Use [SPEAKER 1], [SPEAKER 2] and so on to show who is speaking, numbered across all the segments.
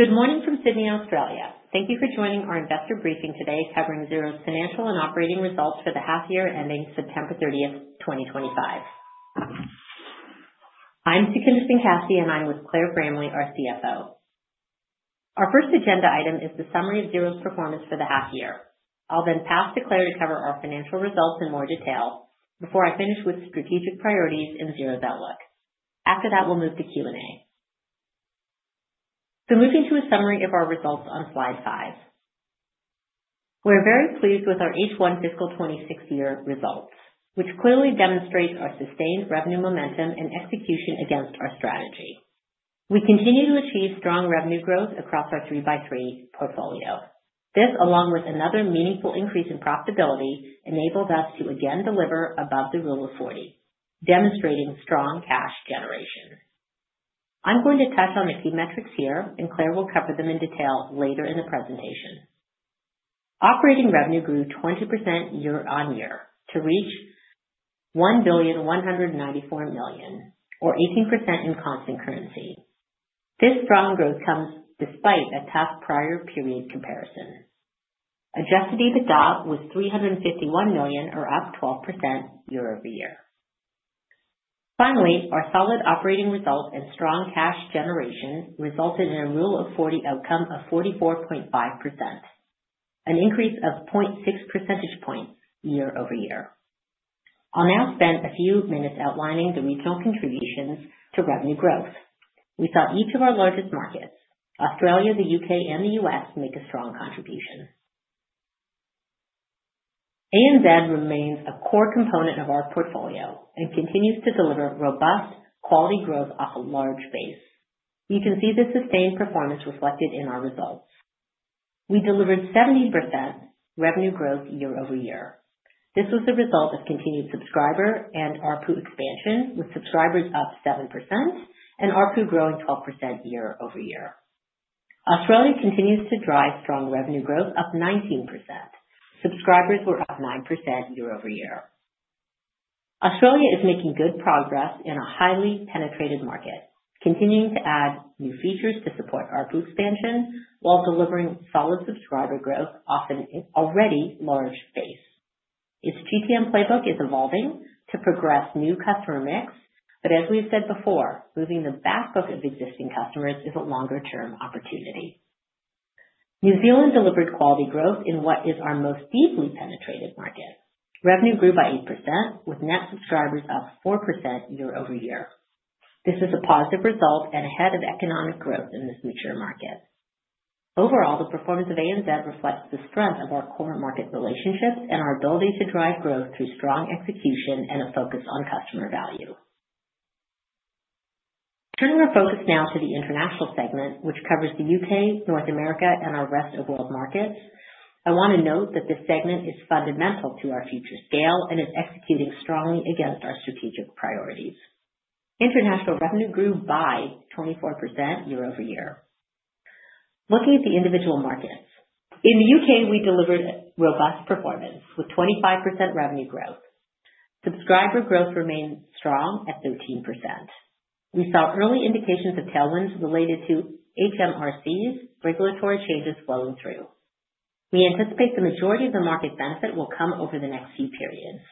[SPEAKER 1] Good morning from Sydney, Australia. Thank you for joining our investor briefing today covering Xero's financial and operating results for the half-year ending September 30th, 2025. I'm Sukhinder Singh Cassidy, and I'm with Claire Bramley, our CFO. Our first agenda item is the summary of Xero's performance for the half-year. I'll then pass to Claire to cover our financial results in more detail before I finish with strategic priorities and Xero's outlook. After that, we'll move to Q&A. So moving to a summary of our results on slide five. We're very pleased with our H1 fiscal 26-year results, which clearly demonstrate our sustained revenue momentum and execution against our strategy. We continue to achieve strong revenue growth across our 3x3 portfolio. This, along with another meaningful increase in profitability, enables us to again deliver above the rule of 40, demonstrating strong cash generation. I'm going to touch on a few metrics here, and Claire will cover them in detail later in the presentation. Operating revenue grew 20% year on year to reach 1,194,000,000, or 18% in constant currency. This strong growth comes despite a tough prior period comparison. Adjusted EBITDA was 351,000,000, or up 12% year-over-year. Finally, our solid operating results and strong cash generation resulted in a Rule of 40 outcome of 44.5%, an increase of 0.6 percentage points year-over-year. I'll now spend a few minutes outlining the regional contributions to revenue growth. We saw each of our largest markets, Australia, the U.K., and the U.S., make a strong contribution. ANZ remains a core component of our portfolio and continues to deliver robust quality growth off a large base. You can see the sustained performance reflected in our results. We delivered 17% revenue growth year-over-year. This was the result of continued subscriber and ARPU expansion, with subscribers up 7% and ARPU growing 12% year-over-year. Australia continues to drive strong revenue growth, up 19%. Subscribers were up 9% year-over-year. Australia is making good progress in a highly penetrated market, continuing to add new features to support ARPU expansion while delivering solid subscriber growth off an already large base. Its GTM playbook is evolving to progress new customer mix, but as we've said before, moving the backbook of existing customers is a longer-term opportunity. New Zealand delivered quality growth in what is our most deeply penetrated market. Revenue grew by 8%, with net subscribers up 4% year-over-year. This is a positive result and ahead of economic growth in this mature market. Overall, the performance of ANZ reflects the strength of our core market relationships and our ability to drive growth through strong execution and a focus on customer value. Turning our focus now to the international segment, which covers the U.K., North America, and our rest of world markets, I want to note that this segment is fundamental to our future scale and is executing strongly against our strategic priorities. International revenue grew by 24% year-over-year. Looking at the individual markets, in the U.K., we delivered robust performance with 25% revenue growth. Subscriber growth remained strong at 13%. We saw early indications of tailwinds related to HMRC's regulatory changes flowing through. We anticipate the majority of the market benefit will come over the next few periods.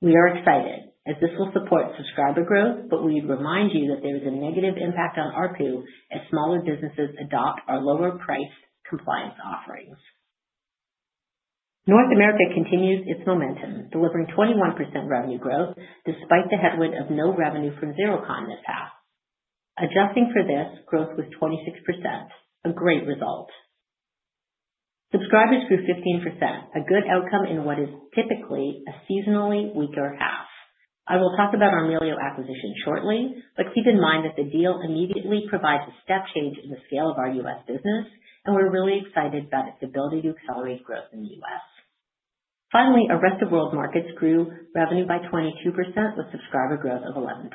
[SPEAKER 1] We are excited as this will support subscriber growth, but we remind you that there is a negative impact on ARPU as smaller businesses adopt our lower-priced compliance offerings. North America continues its momentum, delivering 21% revenue growth despite the headwind of no revenue from Xerocon this past. Adjusting for this, growth was 26%, a great result. Subscribers grew 15%, a good outcome in what is typically a seasonally weaker half. I will talk about Melio acquisition shortly, but keep in mind that the deal immediately provides a step change in the scale of our U.S. business, and we're really excited about its ability to accelerate growth in the U.S.. Finally, our rest of world markets grew revenue by 22% with subscriber growth of 11%.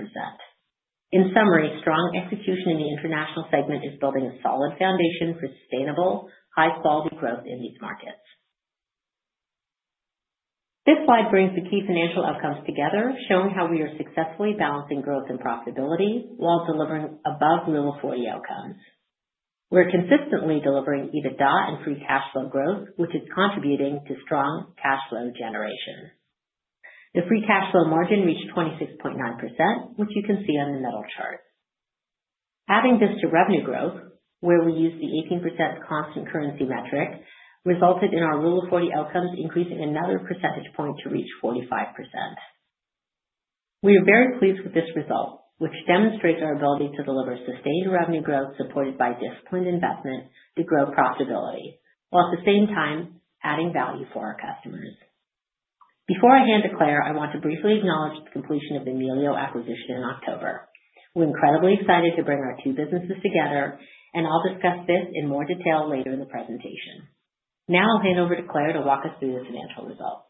[SPEAKER 1] In summary, strong execution in the international segment is building a solid foundation for sustainable, high-quality growth in these markets. This slide brings the key financial outcomes together, showing how we are successfully balancing growth and profitability while delivering above Rule of 40 outcomes. We're consistently delivering EBITDA and free cash flow growth, which is contributing to strong cash flow generation. The free cash flow margin reached 26.9%, which you can see on the middle chart. Adding this to revenue growth, where we use the 18% constant currency metric, resulted in our Rule of 40 outcomes increasing another percentage point to reach 45%. We are very pleased with this result, which demonstrates our ability to deliver sustained revenue growth supported by disciplined investment to grow profitability while at the same time adding value for our customers. Before I hand to Claire, I want to briefly acknowledge the completion of the Melio acquisition in October. We're incredibly excited to bring our two businesses together, and I'll discuss this in more detail later in the presentation. Now I'll hand over to Claire to walk us through the financial results.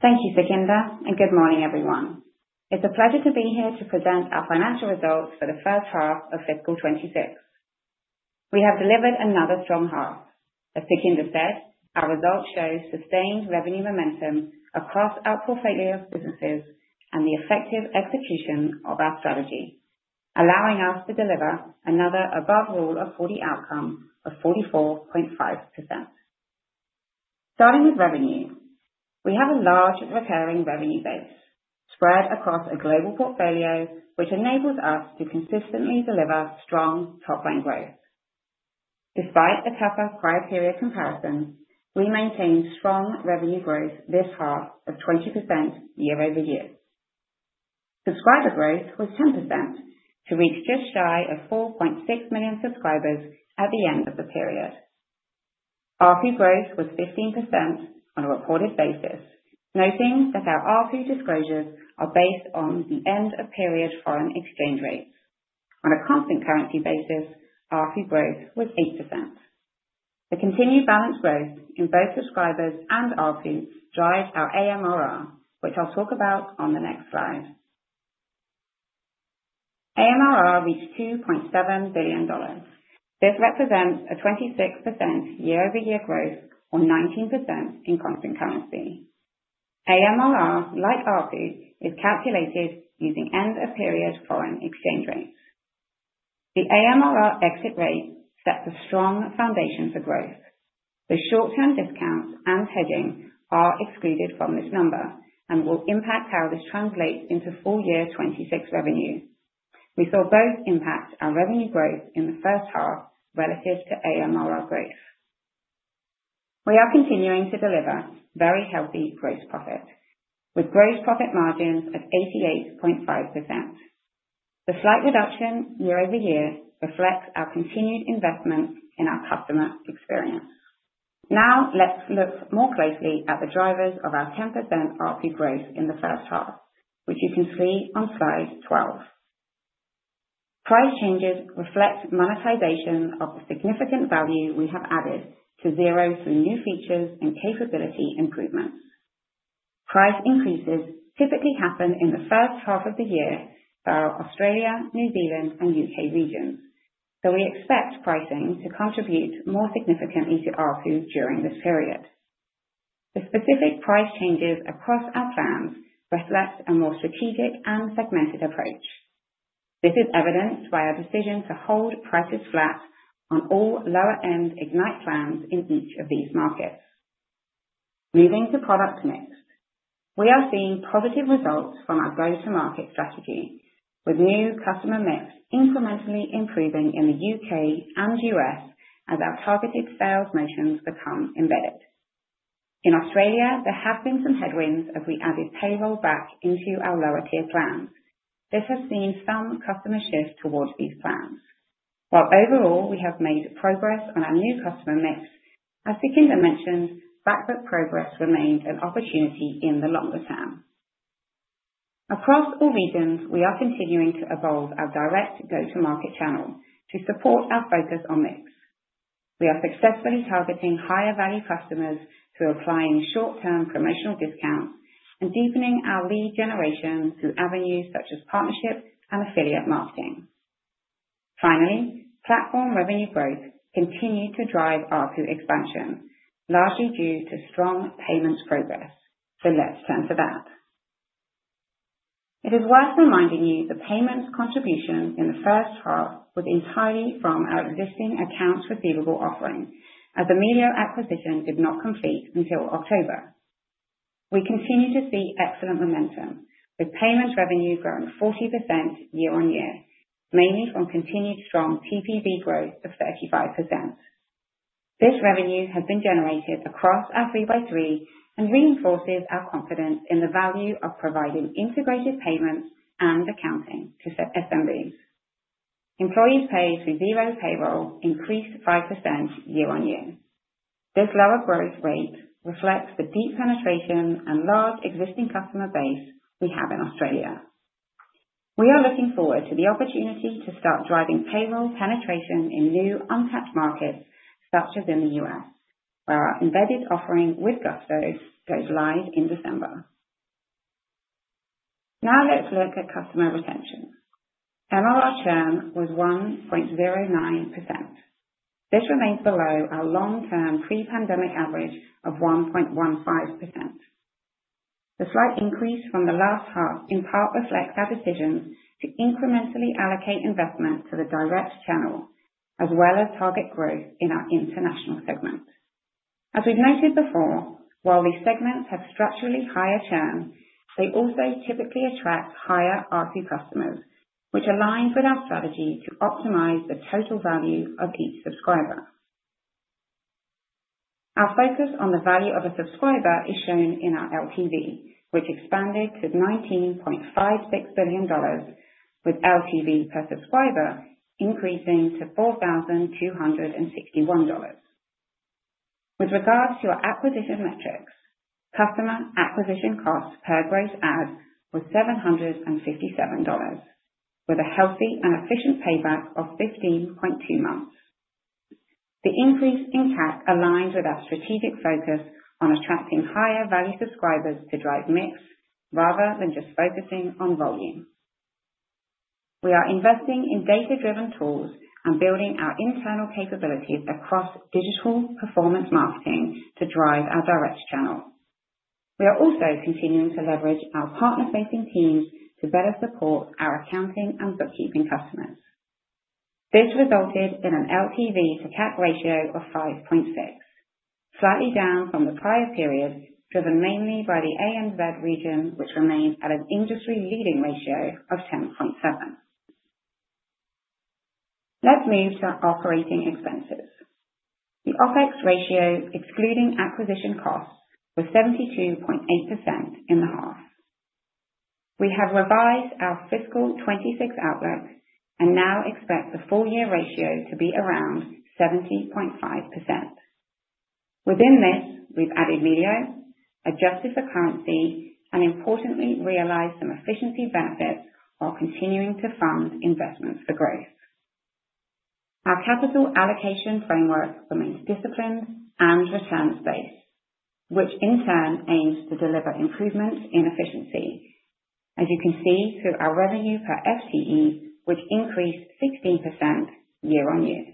[SPEAKER 2] Thank you, Sukhinder, and good morning, everyone. It's a pleasure to be here to present our financial results for the first half of fiscal 26. We have delivered another strong half. As Sukhinder said, our results show sustained revenue momentum across our portfolio businesses and the effective execution of our strategy, allowing us to deliver another above Rule of 40 outcome of 44.5%. Starting with revenue, we have a large recurring revenue base spread across a global portfolio, which enables us to consistently deliver strong top-line growth. Despite a tougher prior period comparison, we maintained strong revenue growth this half of 20% year-over-year. Subscriber growth was 10% to reach just shy of 4.6 million subscribers at the end of the period. ARPU growth was 15% on a reported basis, noting that our ARPU disclosures are based on the end-of-period foreign exchange rates. On a constant currency basis, ARPU growth was 8%. The continued balanced growth in both subscribers and ARPU drives our AMRR, which I'll talk about on the next slide. AMRR reached $2.7 billion. This represents a 26% year-over-year growth or 19% in constant currency. AMRR, like ARPU, is calculated using end-of-period foreign exchange rates. The AMRR exit rate sets a strong foundation for growth. The short-term discounts and hedging are excluded from this number and will impact how this translates into full-year 2026 revenue. We saw both impact our revenue growth in the first half relative to AMRR growth. We are continuing to deliver very healthy gross profit, with gross profit margins of 88.5%. The slight reduction year-over-year reflects our continued investment in our customer experience. Now let's look more closely at the drivers of our 10% ARPU growth in the first half, which you can see on slide 12. Price changes reflect monetization of the significant value we have added to Xero through new features and capability improvements. Price increases typically happen in the first half of the year for Australia, New Zealand, and U.K. regions, so we expect pricing to contribute more significantly to ARPU during this period. The specific price changes across our plans reflect a more strategic and segmented approach. This is evidenced by our decision to hold prices flat on all lower-end Ignite plans in each of these markets. Moving to product mix, we are seeing positive results from our go-to-market strategy, with new customer mix incrementally improving in the U.K. and U.S. as our targeted sales motions become embedded. In Australia, there have been some headwinds as we added payroll back into our lower-tier plans. This has seen some customer shift towards these plans. While overall we have made progress on our new customer mix, as Sukhinder mentioned, backbook progress remained an opportunity in the longer term. Across all regions, we are continuing to evolve our direct go-to-market channel to support our focus on mix. We are successfully targeting higher-value customers through applying short-term promotional discounts and deepening our lead generation through avenues such as partnership and affiliate marketing. Finally, platform revenue growth continued to drive ARPU expansion, largely due to strong payments progress. So let's turn to that. It is worth reminding you the payments contribution in the first half was entirely from our existing accounts receivable offering as Melio acquisition did not complete until October. We continue to see excellent momentum, with payments revenue growing 40% year on year, mainly from continued strong TPV growth of 35%. This revenue has been generated across our 3x3 and reinforces our confidence in the value of providing integrated payments and accounting to SMBs. Employees paid through Xero Payroll increased 5% year on year. This lower growth rate reflects the deep penetration and large existing customer base we have in Australia. We are looking forward to the opportunity to start driving payroll penetration in new untapped markets such as in the U.S., where our embedded offering with Gusto goes live in December. Now let's look at customer retention. MRR churn was 1.09%. This remains below our long-term pre-pandemic average of 1.15%. The slight increase from the last half in part reflects our decision to incrementally allocate investment to the direct channel, as well as target growth in our international segment. As we've noted before, while these segments have structurally higher churn, they also typically attract higher ARPU customers, which aligns with our strategy to optimize the total value of each subscriber. Our focus on the value of a subscriber is shown in our LTV, which expanded to $19.56 billion, with LTV per subscriber increasing to $4,261. With regards to our acquisition metrics, customer acquisition cost per gross ad was $757, with a healthy and efficient payback of 15.2 months. The increase in CAC aligned with our strategic focus on attracting higher-value subscribers to drive mix rather than just focusing on volume. We are investing in data-driven tools and building our internal capabilities across digital performance marketing to drive our direct channel. We are also continuing to leverage our partner-facing teams to better support our accounting and bookkeeping customers. This resulted in an LTV to CAC ratio of 5.6, slightly down from the prior period, driven mainly by the ANZ region, which remains at an industry-leading ratio of 10.7. Let's move to operating expenses. The OpEx ratio, excluding acquisition costs, was 72.8% in the half. We have revised our fiscal 2026 outlook and now expect the full-year ratio to be around 70.5%. Within this, we've added value, adjusted for currency, and importantly realized some efficiency benefits while continuing to fund investments for growth. Our capital allocation framework remains disciplined and returns-based, which in turn aims to deliver improvements in efficiency, as you can see through our revenue per FTE, which increased 16% year on year.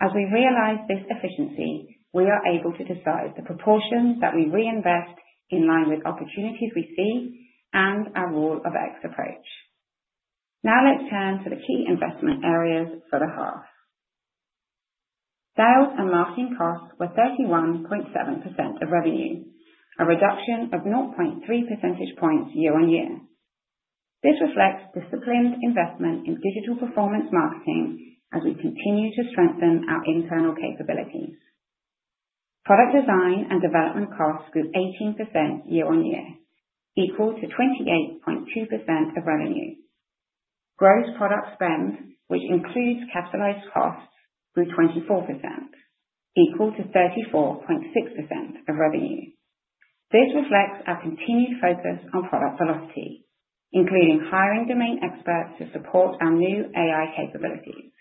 [SPEAKER 2] As we realize this efficiency, we are able to decide the proportion that we reinvest in line with opportunities we see and our Rule of X approach. Now let's turn to the key investment areas for the half. Sales and marketing costs were 31.7% of revenue, a reduction of 0.3 percentage points year on year. This reflects disciplined investment in digital performance marketing as we continue to strengthen our internal capabilities. Product design and development costs grew 18% year on year, equal to 28.2% of revenue. Gross product spend, which includes capitalized costs, grew 24%, equal to 34.6% of revenue. This reflects our continued focus on product velocity, including hiring domain experts to support our new AI capabilities.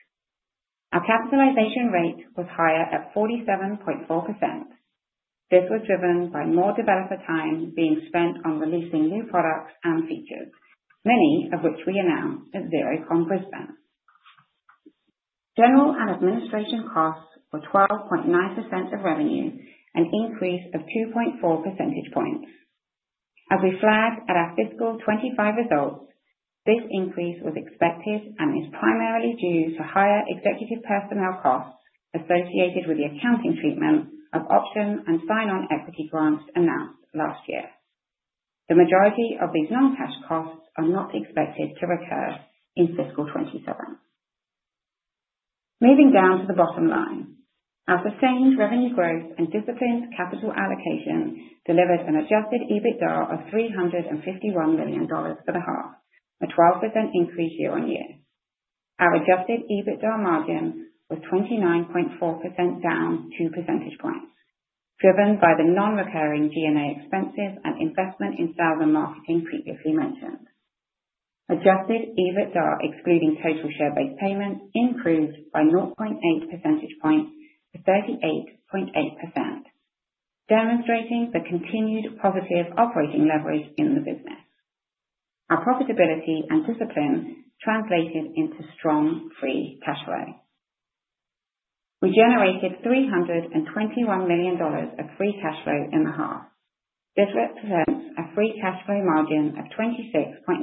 [SPEAKER 2] Our capitalization rate was higher at 47.4%. This was driven by more developer time being spent on releasing new products and features, many of which we announced at Xerocon Brisbane. General and administrative costs were 12.9% of revenue, an increase of 2.4 percentage points. As we flagged at our fiscal 25 results, this increase was expected and is primarily due to higher executive personnel costs associated with the accounting treatment of option and sign-on equity grants announced last year. The majority of these non-cash costs are not expected to recur in fiscal 27. Moving down to the bottom line, our sustained revenue growth and disciplined capital allocation delivered an adjusted EBITDA of NZD 351 million for the half, a 12% increase year on year. Our adjusted EBITDA margin was 29.4%, down 2 percentage points, driven by the non-recurring G&A expenses and investment in sales and marketing previously mentioned. Adjusted EBITDA, excluding total share-based payments, improved by 0.8 percentage points to 38.8%, demonstrating the continued positive operating leverage in the business. Our profitability and discipline translated into strong free cash flow. We generated 321 million dollars of free cash flow in the half. This represents a free cash flow margin of 26.9%,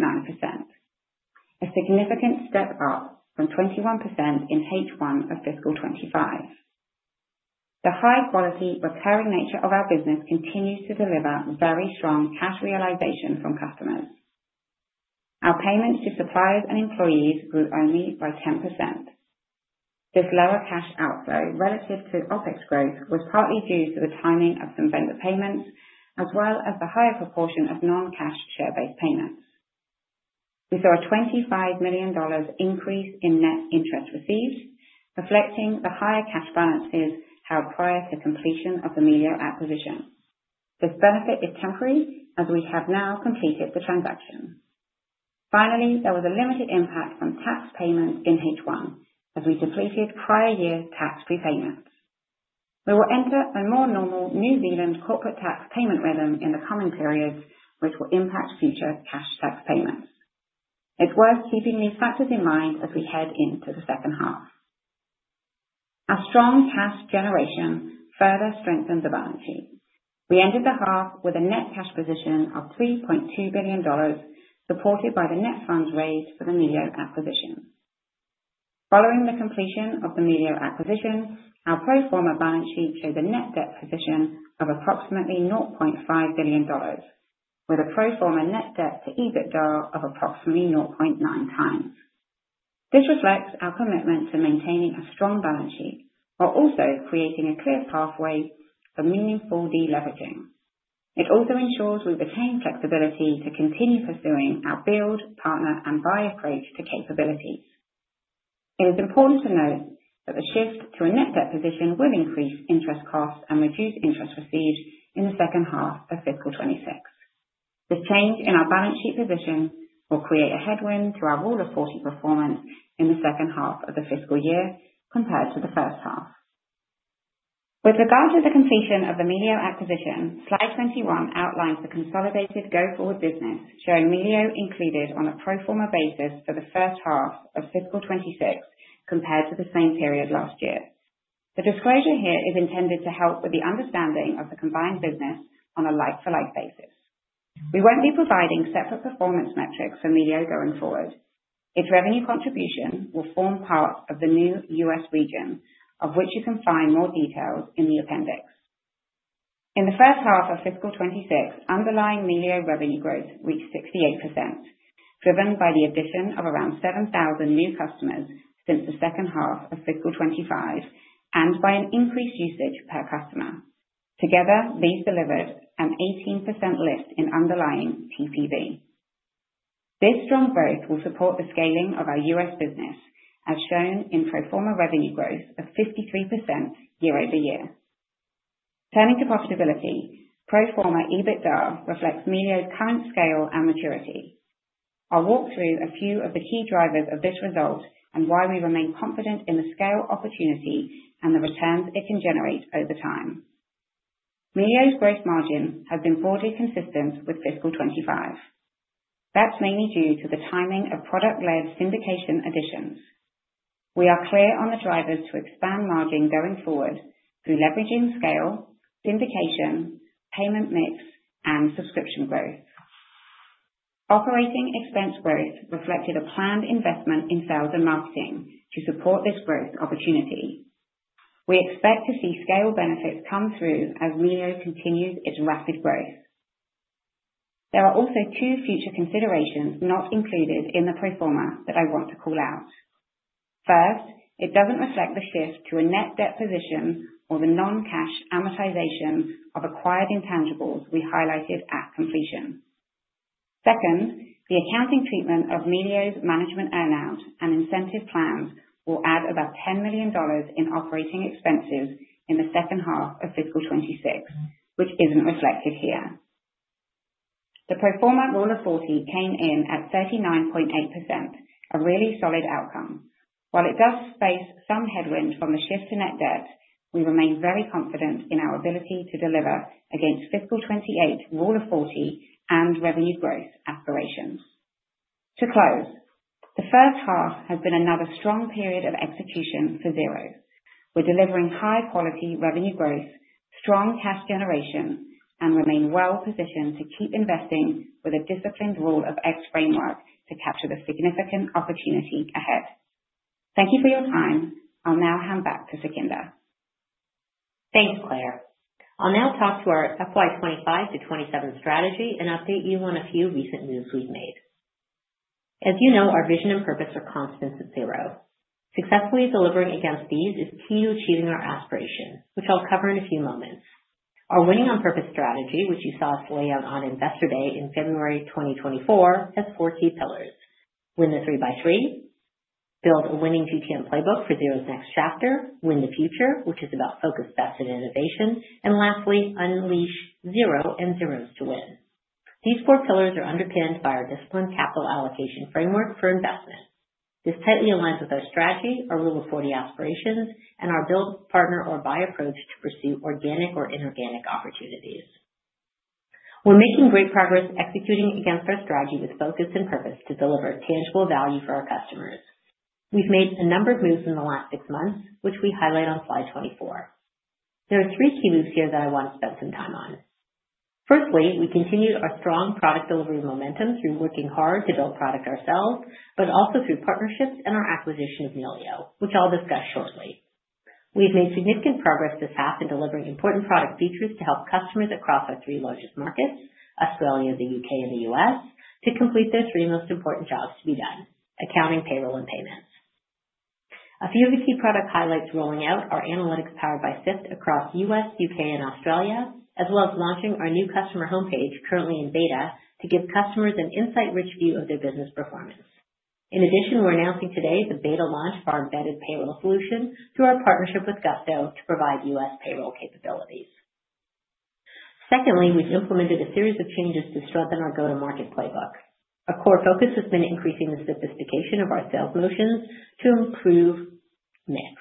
[SPEAKER 2] a significant step up from 21% in H1 of fiscal 25. The high-quality recurring nature of our business continues to deliver very strong cash realization from customers. Our payments to suppliers and employees grew only by 10%. This lower cash outflow relative to OpEx growth was partly due to the timing of some vendor payments, as well as the higher proportion of non-cash share-based payments. We saw a 25 million dollars increase in net interest received, reflecting the higher cash balances held prior to completion of Melio acquisition. This benefit is temporary as we have now completed the transaction. Finally, there was a limited impact on tax payments in H1 as we depleted prior year tax prepayments. We will enter a more normal New Zealand corporate tax payment rhythm in the coming periods, which will impact future cash tax payments. It's worth keeping these factors in mind as we head into the second half. Our strong cash generation further strengthened the balance sheet. We ended the half with a net cash position of 3.2 billion dollars, supported by the net funds raised for the Melio acquisition. Following the completion of the Melio acquisition, our pro forma balance sheet showed a net debt position of approximately 0.5 billion dollars, with a pro forma net debt to EBITDA of approximately 0.9x. This reflects our commitment to maintaining a strong balance sheet while also creating a clear pathway for meaningful deleveraging. It also ensures we retain flexibility to continue pursuing our build, partner, and buy approach to capabilities. It is important to note that the shift to a net debt position will increase interest costs and reduce interest received in the second half of fiscal 2026. This change in our balance sheet position will create a headwind to our Rule of 40 performance in the second half of the fiscal year compared to the first half. With regard to the completion of the Melio acquisition, slide 21 outlines the consolidated go-forward business, showing Melio included on a pro forma basis for the first half of fiscal 2026 compared to the same period last year. The disclosure here is intended to help with the understanding of the combined business on a like-for-like basis. We won't be providing separate performance metrics for Melio going forward. Its revenue contribution will form part of the new U.S. region, of which you can find more details in the appendix. In the first half of fiscal 2026, underlying Melio revenue growth reached 68%, driven by the addition of around 7,000 new customers since the second half of fiscal 2025 and by an increased usage per customer. Together, these delivered an 18% lift in underlying TPV. This strong growth will support the scaling of our U.S. business, as shown in pro forma revenue growth of 53% year-over-year. Turning to profitability, pro forma EBITDA reflects Melio's current scale and maturity. I'll walk through a few of the key drivers of this result and why we remain confident in the scale opportunity and the returns it can generate over time. Melio's gross margin has been broadly consistent with fiscal 2025. That's mainly due to the timing of product-led syndication additions. We are clear on the drivers to expand margin going forward through leveraging scale, syndication, payment mix, and subscription growth. Operating expense growth reflected a planned investment in sales and marketing to support this growth opportunity. We expect to see scale benefits come through as Melio continues its rapid growth. There are also two future considerations not included in the pro forma that I want to call out. First, it doesn't reflect the shift to a net debt position or the non-cash amortization of acquired intangibles we highlighted at completion. Second, the accounting treatment of Melio's management earnout and incentive plans will add about $10 million in operating expenses in the second half of fiscal 2026, which isn't reflected here. The pro forma Rule of 40 came in at 39.8%, a really solid outcome. While it does face some headwind from the shift to net debt, we remain very confident in our ability to deliver against fiscal 28 Rule of 40 and revenue growth aspirations. To close, the first half has been another strong period of execution for Xero. We're delivering high-quality revenue growth, strong cash generation, and remain well-positioned to keep investing with a disciplined Rule of X framework to capture the significant opportunity ahead. Thank you for your time. I'll now hand back to Sukhinder.
[SPEAKER 1] Thanks, Claire. I'll now talk to our FY 2025 to 2027 strategy and update you on a few recent moves we've made. As you know, our vision and purpose are constants at Xero. Successfully delivering against these is key to achieving our aspiration, which I'll cover in a few moments. Our winning on purpose strategy, which you saw us lay out on Investor Day in February 2024, has four key pillars: win the 3 by 3, build a winning GTM playbook for Xero's next chapter, win the future, which is about focus best in innovation, and lastly, unleash Xero and Xeros to win. These four pillars are underpinned by our disciplined capital allocation framework for investment. This tightly aligns with our strategy, our Rule of 40 aspirations, and our build, partner, or buy approach to pursue organic or inorganic opportunities. We're making great progress executing against our strategy with focus and purpose to deliver tangible value for our customers. We've made a number of moves in the last six months, which we highlight on slide 24. There are three key moves here that I want to spend some time on. Firstly, we continued our strong product delivery momentum through working hard to build product ourselves, but also through partnerships and our acquisition of Melio, which I'll discuss shortly. We've made significant progress this half in delivering important product features to help customers across our three largest markets, Australia, the U.K., and the U.S., to complete their three most important jobs to be done: accounting, payroll, and payments. A few of the key product highlights rolling out are analytics powered by Syft across the U.S., U.K., and Australia, as well as launching our new customer homepage currently in beta to give customers an insight-rich view of their business performance. In addition, we're announcing today the beta launch for our embedded payroll solution through our partnership with Gusto to provide U.S. payroll capabilities. Secondly, we've implemented a series of changes to strengthen our go-to-market playbook. A core focus has been increasing the sophistication of our sales motions to improve mix.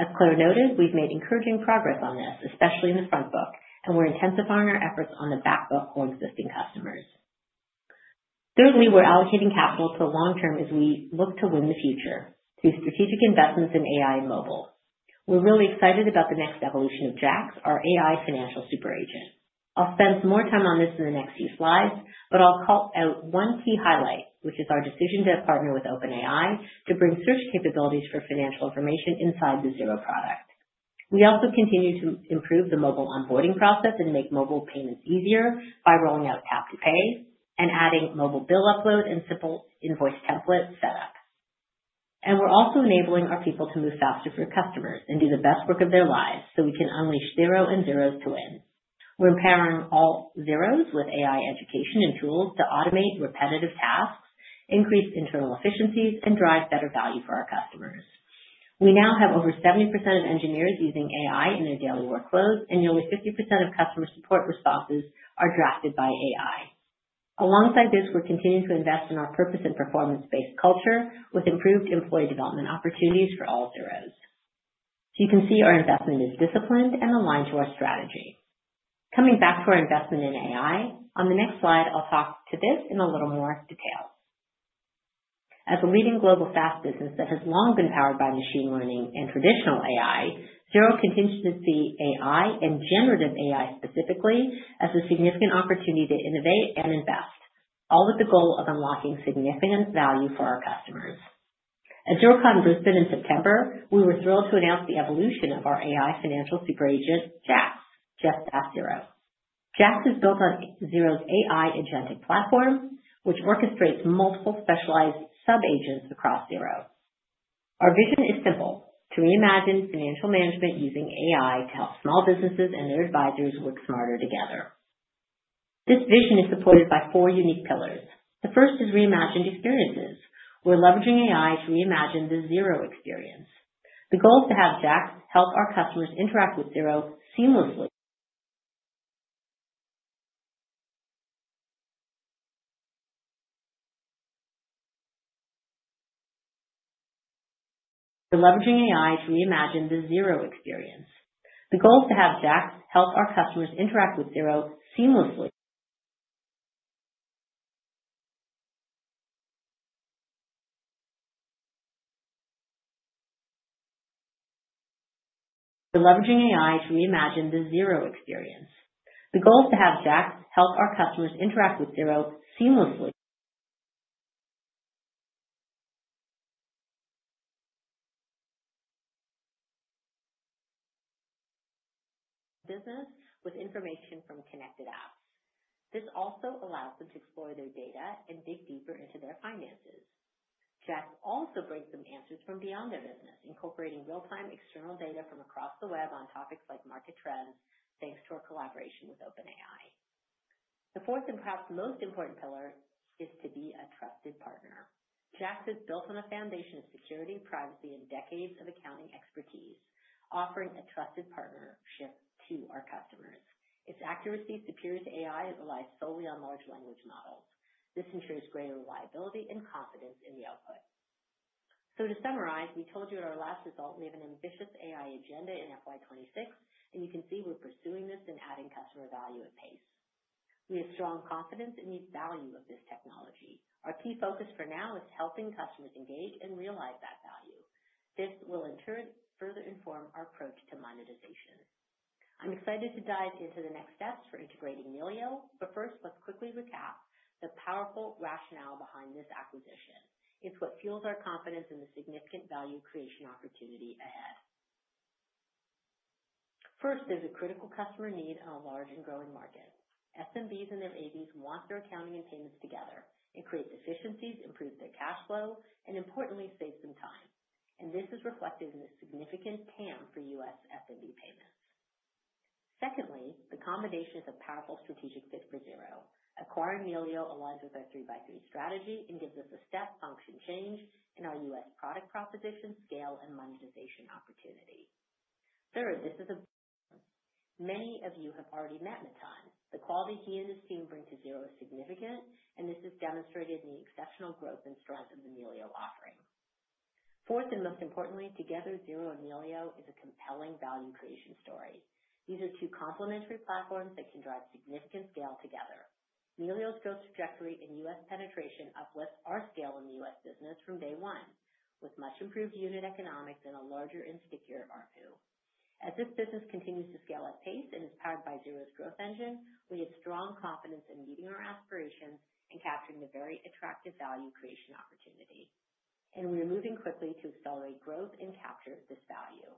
[SPEAKER 1] As Claire noted, we've made encouraging progress on this, especially in the front book, and we're intensifying our efforts on the back book for existing customers. Thirdly, we're allocating capital to the long term as we look to win the future through strategic investments in AI and mobile. We're really excited about the next evolution of JAX, our AI financial super agent. I'll spend some more time on this in the next few slides, but I'll call out one key highlight, which is our decision to partner with OpenAI to bring search capabilities for financial information inside the Xero product. We also continue to improve the mobile onboarding process and make mobile payments easier by rolling out Tap to Pay and adding mobile bill upload and simple invoice template setup. We're also enabling our people to move faster for customers and do the best work of their lives so we can unleash Xero and Xero's to win. We're empowering all Xero's with AI education and tools to automate repetitive tasks, increase internal efficiencies, and drive better value for our customers. We now have over 70% of engineers using AI in their daily workflows, and nearly 50% of customer support responses are drafted by AI. Alongside this, we're continuing to invest in our purpose and performance-based culture with improved employee development opportunities for all Xero's. You can see our investment is disciplined and aligned to our strategy. Coming back to our investment in AI, on the next slide, I'll talk to this in a little more detail. As a leading global SaaS business that has long been powered by machine learning and traditional AI, Xero continues to see AI and generative AI specifically as a significant opportunity to innovate and invest, all with the goal of unlocking significant value for our customers. At Xerocon Brisbane in September, we were thrilled to announce the evolution of our AI financial super agent, JAX, Just Ask Xero. JAX is built on Xero's AI agentic platform, which orchestrates multiple specialized sub-agents across Xero. Our vision is simple: to reimagine financial management using AI to help small businesses and their advisors work smarter together. This vision is supported by four unique pillars. The first is reimagined experiences. We're leveraging AI to reimagine the Xero experience. The goal is to have JAX help our customers interact with Xero seamlessly. The goal is to have JAX help our customers interact with Xero seamlessly. We're leveraging AI to reimagine the Xero experience. Business with information from connected apps. This also allows them to explore their data and dig deeper into their finances. JAX also brings them answers from beyond their business, incorporating real-time external data from across the web on topics like market trends, thanks to our collaboration with OpenAI. The fourth and perhaps most important pillar is to be a trusted partner. JAX is built on a foundation of security, privacy, and decades of accounting expertise, offering a trusted partnership to our customers. Its accuracy surpasses AI that relies solely on large language models. This ensures greater reliability and confidence in the output. To summarize, we told you at our last result, we have an ambitious AI agenda in FY 2026, and you can see we're pursuing this and adding customer value at pace. We have strong confidence in the value of this technology. Our key focus for now is helping customers engage and realize that value. This will in turn further inform our approach to monetization. I'm excited to dive into the next steps for integrating Melio, but first, let's quickly recap the powerful rationale behind this acquisition. It's what fuels our confidence in the significant value creation opportunity ahead. First, there's a critical customer need on a large and growing market. SMBs and their ABs want their accounting and payments together and create efficiencies, improve their cash flow, and importantly, save some time. This is reflected in the significant TAM for U.S. SMB payments. Secondly, the combination is a powerful strategic fit for Xero. Acquiring Melio aligns with our 3x3 strategy and gives us a step function change in our U.S. product proposition, scale, and monetization opportunity. Third, this is. As many of you have already met Matan. The quality he and his team bring to Xero is significant, and this is demonstrated in the exceptional growth and strength of Melio offering. Fourth, and most importantly, together, Xero and Melio is a compelling value creation story. These are two complementary platforms that can drive significant scale together. Melio's growth trajectory and U.S. penetration uplift our scale in the U.S. business from day one, with much improved unit economics and a larger and secure ARPU. As this business continues to scale at pace and is powered by Xero's growth engine, we have strong confidence in meeting our aspirations and capturing the very attractive value creation opportunity, and we are moving quickly to accelerate growth and capture this value.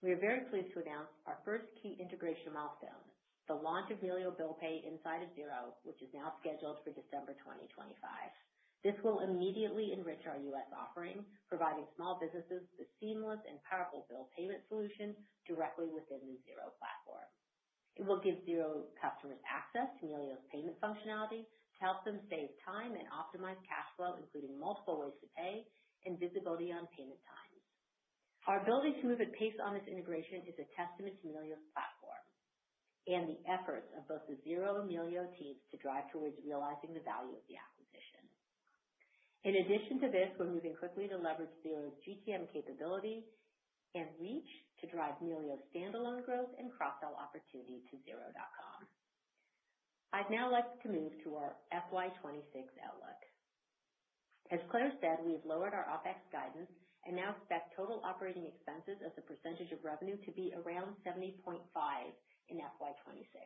[SPEAKER 1] We are very pleased to announce our first key integration milestone, the launch of Melio Bill Pay inside of Xero, which is now scheduled for December 2025. This will immediately enrich our U.S. offering, providing small businesses with a seamless and powerful bill payment solution directly within the Xero platform. It will give Xero customers access to Melio's payment functionality to help them save time and optimize cash flow, including multiple ways to pay and visibility on payment times. Our ability to move at pace on this integration is a testament to Melio's platform and the efforts of both the Xero and Melio teams to drive towards realizing the value of the acquisition. In addition to this, we're moving quickly to leverage Xero's GTM capability and reach to drive Melio's standalone growth and cross-sell opportunity to Xero.com. I'd now like to move to our FY 2026 outlook. As Claire said, we've lowered our OpEx guidance and now expect total operating expenses as a percentage of revenue to be around 70.5% in FY 2026.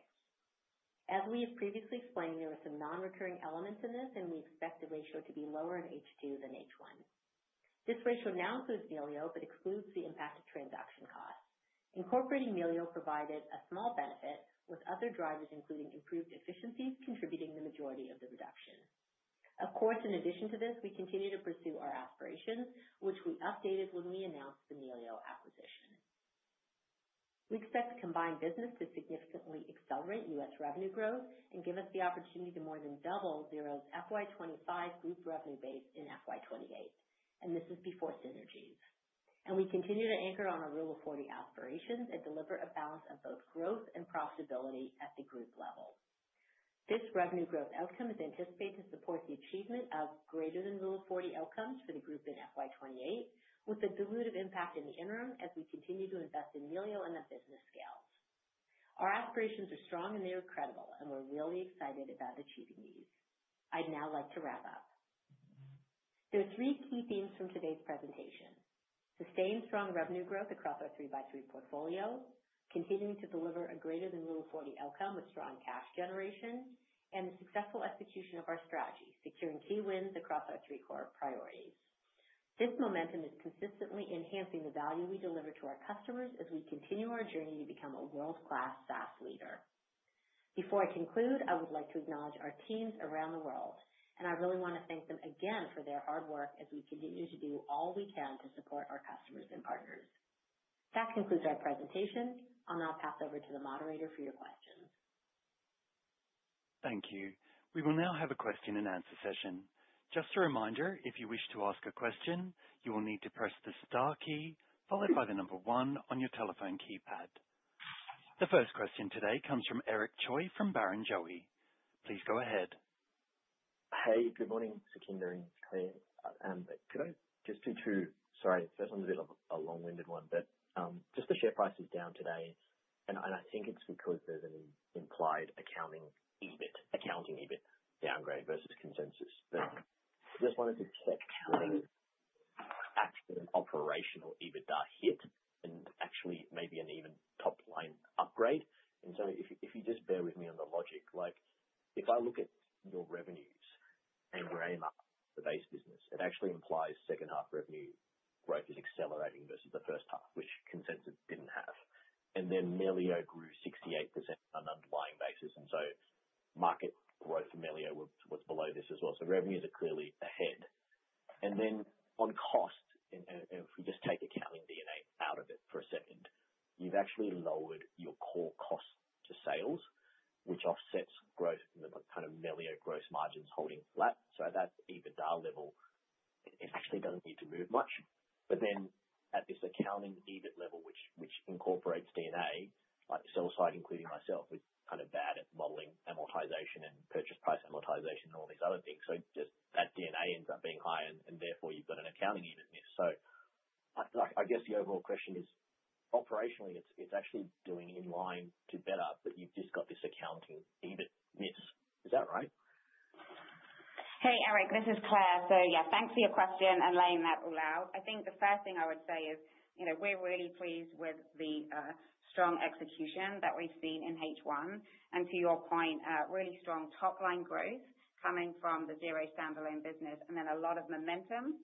[SPEAKER 1] As we have previously explained, there are some non-recurring elements in this, and we expect the ratio to be lower in H2 than H1. This ratio now includes Melio but excludes the impact of transaction costs. Incorporating Melio provided a small benefit, with other drivers including improved efficiencies contributing the majority of the reduction. Of course, in addition to this, we continue to pursue our aspirations, which we updated when we announced the Melio acquisition. We expect the combined business to significantly accelerate U.S. revenue growth and give us the opportunity to more than double Xero's FY 2025 group revenue base in FY 2028. And this is before synergies. And we continue to anchor on our Rule of 40 aspirations and deliver a balance of both growth and profitability at the group level. This revenue growth outcome is anticipated to support the achievement of greater than Rule of 40 outcomes for the group in FY 2028, with a dilutive impact in the interim as we continue to invest in Melio and the business scales. Our aspirations are strong and they are credible, and we're really excited about achieving these. I'd now like to wrap up. There are three key themes from today's presentation: sustained strong revenue growth across our 3 by 3 portfolio, continuing to deliver a greater than Rule of 40 outcome with strong cash generation, and the successful execution of our strategy, securing key wins across our three core priorities. This momentum is consistently enhancing the value we deliver to our customers as we continue our journey to become a world-class SaaS leader. Before I conclude, I would like to acknowledge our teams around the world, and I really want to thank them again for their hard work as we continue to do all we can to support our customers and partners. That concludes our presentation. I'll now pass over to the moderator for your questions.
[SPEAKER 3] Thank you. We will now have a question and answer session. Just a reminder, if you wish to ask a question, you will need to press the star key followed by the number one on your telephone keypad. The first question today comes from Eric Choi from Barrenjoey. Please go ahead.
[SPEAKER 4] Hey, good morning, Sukhinder and Claire. Could I just do two, sorry, this one's a bit of a long-winded one, but just the share price is down today, and I think it's because there's an implied adjusted EBIT, adjusted EBIT downgrade versus consensus. I just wanted to check whether the actual operational EBITDA hit and actually maybe an even top-line upgrade. And so if you just bear with me on the logic, if I look at your revenues and your AMRR, the base business, it actually implies second-half revenue growth is accelerating versus the first half, which consensus didn't have. And then Melio grew 68% on an underlying basis. And so market growth for Melio was below this as well. So revenues are clearly ahead. And then on cost, if we just take accounting D&A out of it for a second, you've actually lowered your core cost to sales, which offsets growth and the kind of Melio gross margins holding flat. So at that EBITDA level, it actually doesn't need to move much. But then at this accounting EBIT level, which incorporates DNA, sell side, including myself, is kind of bad at modeling amortization and purchase price amortization and all these other things. So just that DNA ends up being high, and therefore you've got an accounting EBIT miss. So I guess the overall question is, operationally, it's actually doing in line to better, but you've just got this accounting EBIT miss. Is that right?
[SPEAKER 2] Hey, Eric, this is Claire. So yeah, thanks for your question and laying that all out. I think the first thing I would say is we're really pleased with the strong execution that we've seen in H1. To your point, really strong top-line growth is coming from the Xero standalone business and then a lot of momentum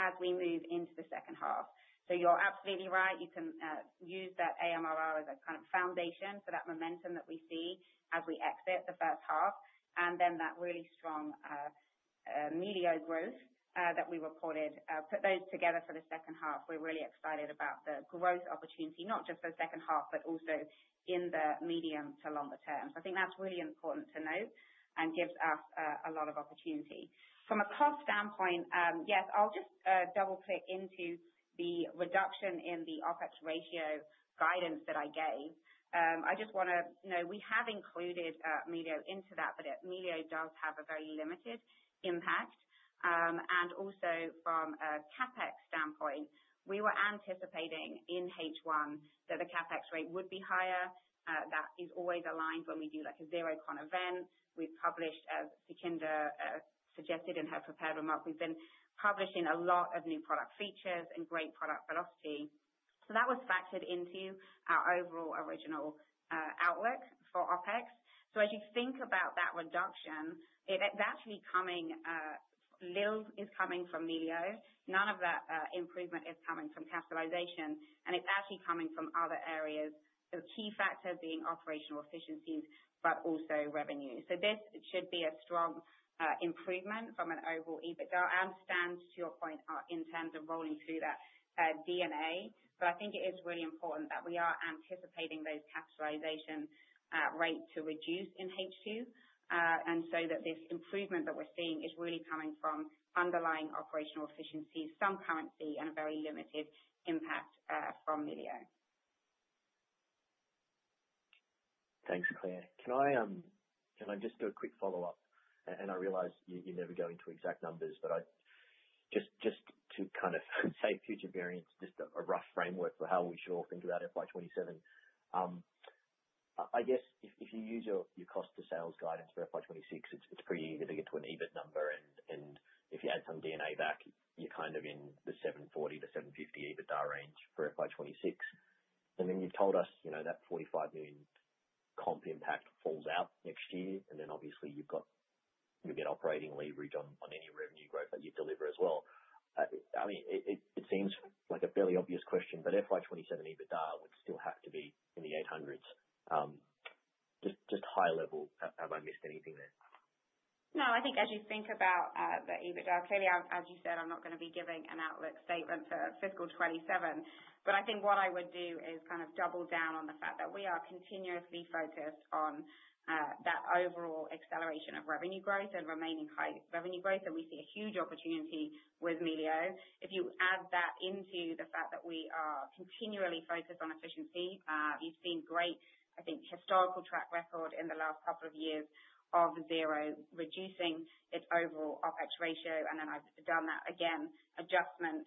[SPEAKER 2] as we move into the second half. You're absolutely right. You can use that AMRR as a kind of foundation for that momentum that we see as we exit the first half. Then that really strong Melio growth that we reported puts those together for the second half. We're really excited about the growth opportunity, not just for the second half, but also in the medium to longer term. That's really important to note and gives us a lot of opportunity. From a cost standpoint, yes, I'll just double-click into the reduction in the OpEx ratio guidance that I gave. I just want you to know we have included Melio into that, but Melio does have a very limited impact. And also from a CapEx standpoint, we were anticipating in H1 that the CapEx rate would be higher. That is always aligned when we do a Xerocon event. We've published, as Sukhinder suggested in her prepared remark, we've been publishing a lot of new product features and great product philosophy. So that was factored into our overall original outlook for OpEx. So as you think about that reduction, it's actually coming; little is coming from Melio. None of that improvement is coming from capitalization, and it's actually coming from other areas, key factors being operational efficiencies, but also revenue. So this should be a strong improvement from an overall EBITDA. I understand, to your point, in terms of rolling through that DNA, but I think it is really important that we are anticipating those capitalization rates to reduce in H2. And so that this improvement that we're seeing is really coming from underlying operational efficiencies, some currency, and a very limited impact from Melio.
[SPEAKER 4] Thanks, Claire. Can I just do a quick follow-up? And I realize you never go into exact numbers, but just to kind of say future variants, just a rough framework for how we should all think about FY 2027. I guess if you use your cost-to-sales guidance for FY 2026, it's pretty easy to get to an EBIT number. And if you add some DNA back, you're kind of in the 740-750 EBITDA range for FY 2026. And then you've told us that $45 million comp impact falls out next year. Then obviously you get operating leverage on any revenue growth that you deliver as well. I mean, it seems like a fairly obvious question, but FY 2027 EBITDA would still have to be in the 800s. Just high level, have I missed anything there?
[SPEAKER 2] No, I think as you think about the EBITDA, clearly, as you said, I'm not going to be giving an outlook statement for fiscal 2027. But I think what I would do is kind of double down on the fact that we are continuously focused on that overall acceleration of revenue growth and remaining high revenue growth. And we see a huge opportunity with Melio. If you add that into the fact that we are continually focused on efficiency, you've seen great, I think, historical track record in the last couple of years of Xero reducing its overall OpEx ratio. And then I've done that again, adjustment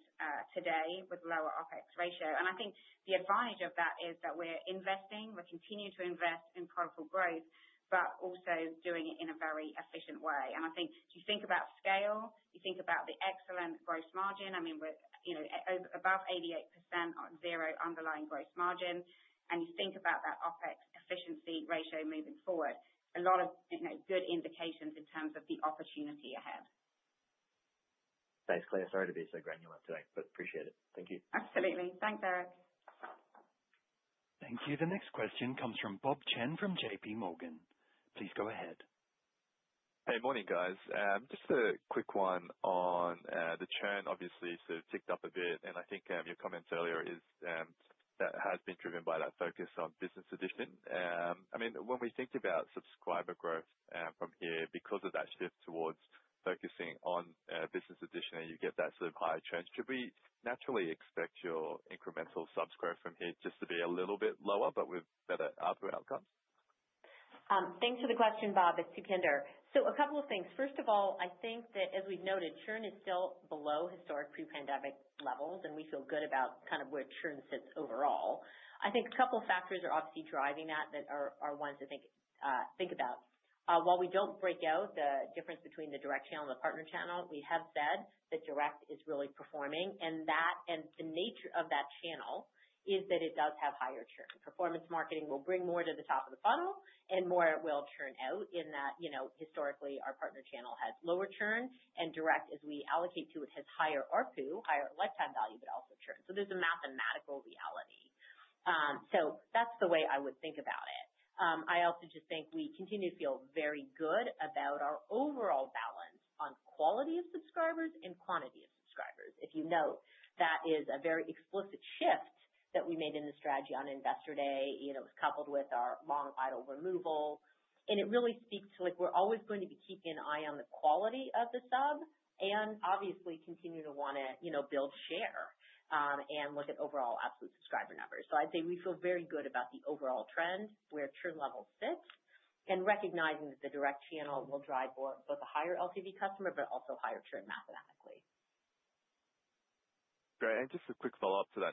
[SPEAKER 2] today with lower OpEx ratio. And I think the advantage of that is that we're investing, we're continuing to invest in profitable growth, but also doing it in a very efficient way. And I think if you think about scale, you think about the excellent gross margin, I mean, we're above 88% on Xero underlying gross margin. And you think about that OpEx efficiency ratio moving forward, a lot of good indications in terms of the opportunity ahead.
[SPEAKER 4] Thanks, Claire. Sorry to be so granular today, but appreciate it. Thank you.
[SPEAKER 2] Absolutely. Thanks, Eric.
[SPEAKER 3] Thank you. The next question comes from Bob Chen from JPMorgan. Please go ahead.
[SPEAKER 5] Hey, morning, guys. Just a quick one on the churn, obviously, sort of ticked up a bit. And I think your comments earlier is that has been driven by that focus on Business Edition. I mean, when we think about subscriber growth from here, because of that shift towards focusing on Business Edition, you get that sort of higher churn. Should we naturally expect your incremental subs growth from here just to be a little bit lower, but with better output outcomes?
[SPEAKER 1] Thanks for the question, Bob. It's Sukhinder. So a couple of things. First of all, I think that as we've noted, churn is still below historic pre-pandemic levels, and we feel good about kind of where churn sits overall. I think a couple of factors are obviously driving that that are ones to think about. While we don't break out the difference between the direct channel and the partner channel, we have said that direct is really performing. And the nature of that channel is that it does have higher churn. Performance marketing will bring more to the top of the funnel, and more will churn out. In that, historically our partner channel has lower churn, and direct, as we allocate to it, has higher RPU, higher lifetime value, but also churn. So there's a mathematical reality. So that's the way I would think about it. I also just think we continue to feel very good about our overall balance on quality of subscribers and quantity of subscribers. If you note, that is a very explicit shift that we made in the strategy on investor day. It was coupled with our long idle removal. And it really speaks to we're always going to be keeping an eye on the quality of the sub and obviously continue to want to build share and look at overall absolute subscriber numbers. So, I'd say we feel very good about the overall trend where churn level sits and recognizing that the direct channel will drive both a higher LTV customer, but also higher churn mathematically.
[SPEAKER 6] Great. And just a quick follow-up to that.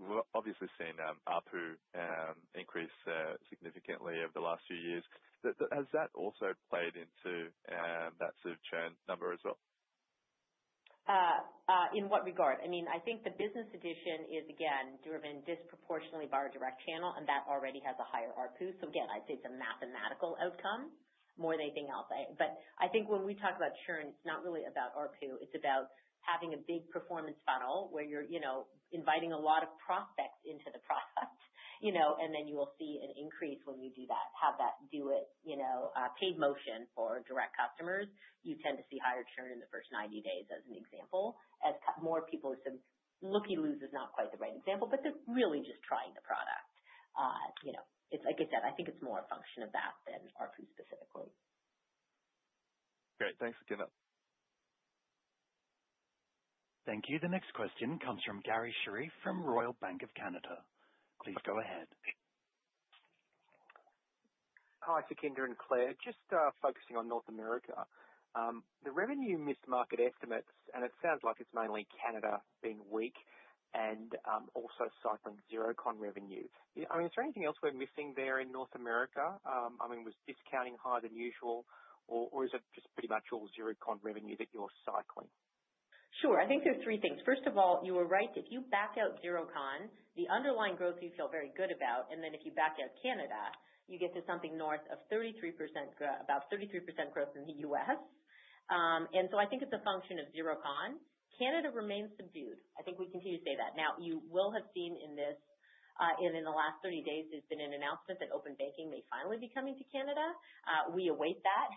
[SPEAKER 6] We're obviously seeing RPU increase significantly over the last few years. Has that also played into that sort of churn number as well?
[SPEAKER 1] In what regard? I mean, I think the Business Edition is, again, driven disproportionately by our direct channel, and that already has a higher RPU. So again, I'd say it's a mathematical outcome more than anything else. But I think when we talk about churn, it's not really about RPU. It's about having a big performance funnel where you're inviting a lot of prospects into the product, and then you will see an increase when you do that, have that direct paid motion for direct customers. You tend to see higher churn in the first 90 days as an example. As more people looking to lose is not quite the right example, but they're really just trying the product. It's like I said, I think it's more a function of that than ARPU specifically.
[SPEAKER 5] Great. Thanks, Sukhinder.
[SPEAKER 3] Thank you. The next question comes from Garry Sherriff from Royal Bank of Canada. Please go ahead.
[SPEAKER 6] Hi, Sukhinder and Claire. Just focusing on North America. The revenue missed market estimates, and it sounds like it's mainly Canada being weak and also cycling Xerocon revenue. I mean, is there anything else we're missing there in North America? I mean, was discounting higher than usual, or is it just pretty much all Xerocon revenue that you're cycling?
[SPEAKER 2] Sure. I think there's three things. First of all, you were right. If you back out Xerocon, the underlying growth you feel very good about, and then if you back out Canada, you get to something north of 33%, about 33% growth in the U.S. And so I think it's a function of Xerocon. Canada remains subdued. I think we continue to say that. Now, you will have seen in this, in the last 30 days, there's been an announcement that open banking may finally be coming to Canada. We await that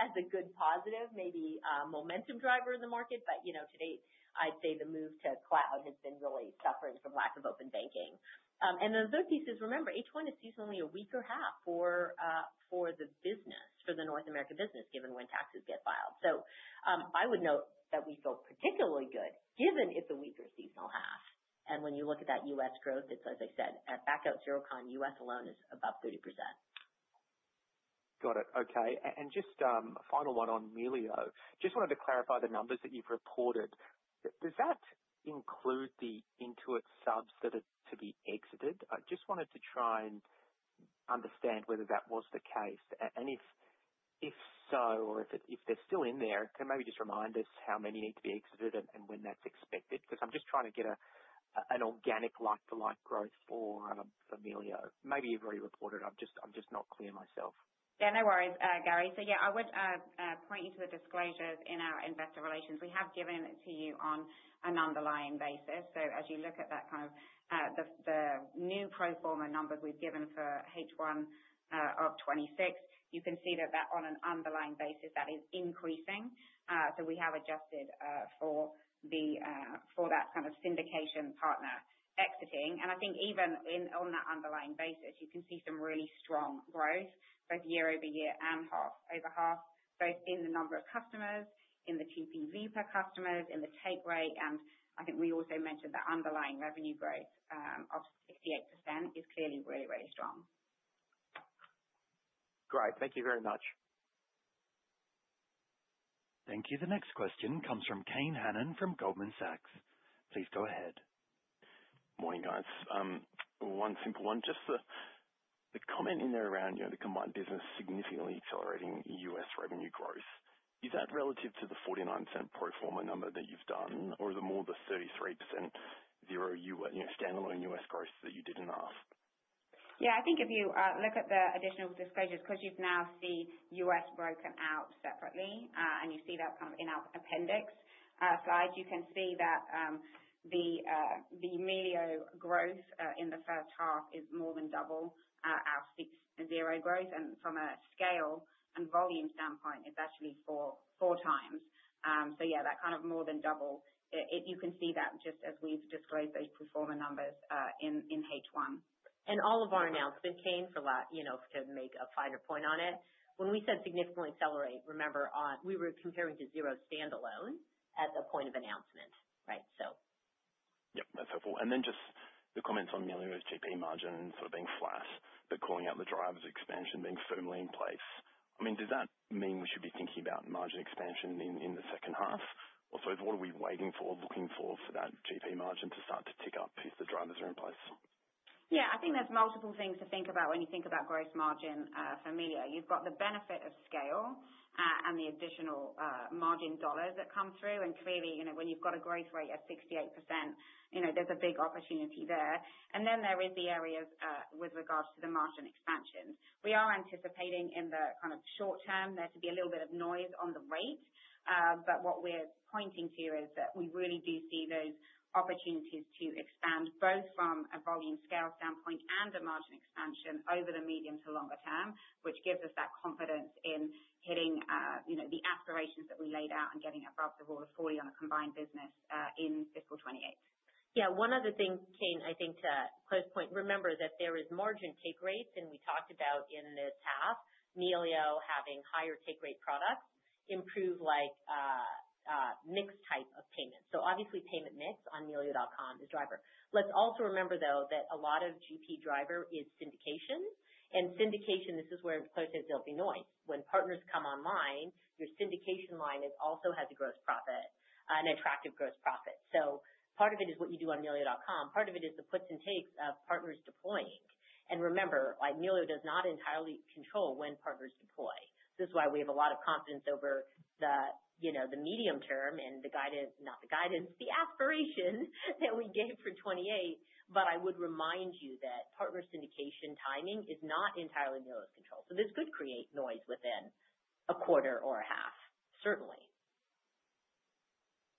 [SPEAKER 2] as a good positive, maybe momentum driver in the market. But today, I'd say the move to cloud has been really suffering from lack of open banking. Then the third piece is, remember, H1 is seasonally a weak half for the business, for the North American business, given when taxes get filed. So I would note that we feel particularly good given it's a weaker seasonal half. And when you look at that U.S. growth, it's, as I said, back out Xerocon, U.S. alone is about 30%.
[SPEAKER 6] Got it. Okay. And just a final one on Melio. Just wanted to clarify the numbers that you've reported. Does that include the Intuit subs that are to be exited? I just wanted to try and understand whether that was the case. And if so, or if they're still in there, can you maybe just remind us how many need to be exited and when that's expected? Because I'm just trying to get an organic like-for-like growth for Melio. Maybe you've already reported it. I'm just not clear myself.
[SPEAKER 2] Yeah, no worries, Gary. So yeah, I would point you to the disclosures in our investor relations. We have given it to you on an underlying basis. So as you look at that kind of the new pro forma numbers we've given for H1 of 2026, you can see that on an underlying basis, that is increasing. So we have adjusted for that kind of syndication partner exiting. And I think even on that underlying basis, you can see some really strong growth, both year-over-year and over half, both in the number of customers, in the TPV per customers, in the takeaway. And I think we also mentioned that underlying revenue growth of 68% is clearly really, really strong.
[SPEAKER 6] Great. Thank you very much.
[SPEAKER 3] Thank you. The next question comes from Kane Hannan from Goldman Sachs. Please go ahead.
[SPEAKER 7] Morning, guys. One simple one. Just the comment in there around the combined business significantly accelerating U.S. revenue growth. Is that relative to the 49% pro forma number that you've done, or is it more the 33% standalone U.S. growth that you did in 1H?
[SPEAKER 2] Yeah, I think if you look at the additional disclosures, because you can now see U.S. broken out separately, and you see that kind of in our appendix slide, you can see that the Melio growth in the first half is more than double our Xero growth. And from a scale and volume standpoint, it's actually four times. So yeah, that kind of more than double, you can see that just as we've disclosed those pro forma numbers in H1 .And all of our announcements, Kane, for a lot to make a finer point on it. When we said significantly accelerate, remember, we were comparing to Xero standalone at the point of announcement, right? So.
[SPEAKER 7] Yep, that's helpful. And then just the comments on Melio's GP margin sort of being flat, but calling out the drivers expansion being firmly in place. I mean, does that mean we should be thinking about margin expansion in the second half? Or sort of what are we waiting for, looking for that GP margin to start to tick up if the drivers are in place?
[SPEAKER 2] Yeah, I think there's multiple things to think about when you think about gross margin for Melio. You've got the benefit of scale and the additional margin dollars that come through. And clearly, when you've got a growth rate of 68%, there's a big opportunity there. And then there is the areas with regards to the margin expansions. We are anticipating in the kind of short term there to be a little bit of noise on the rate. But what we're pointing to is that we really do see those opportunities to expand both from a volume scale standpoint and a margin expansion over the medium to longer term, which gives us that confidence in hitting the aspirations that we laid out and getting above the Rule of 40 on a combined business in fiscal 2028.
[SPEAKER 1] Yeah, one other thing, Kane, I think to close point, remember that there is margin take rates, and we talked about in this half, Melio having higher take rate products improve like mixed type of payments. So obviously, payment mix on melio.com is driver. Let's also remember, though, that a lot of GP driver is syndication. And syndication, this is where it's closest there'll be noise. When partners come online, your syndication line also has a gross profit, an attractive gross profit. So part of it is what you do on melio.com. Part of it is the puts and takes of partners deploying. And remember, Melio does not entirely control when partners deploy. This is why we have a lot of confidence over the medium term and the guidance, not the guidance, the aspiration that we gave for 2028. But I would remind you that partner syndication timing is not entirely Melio's control. So this could create noise within a quarter or a half, certainly.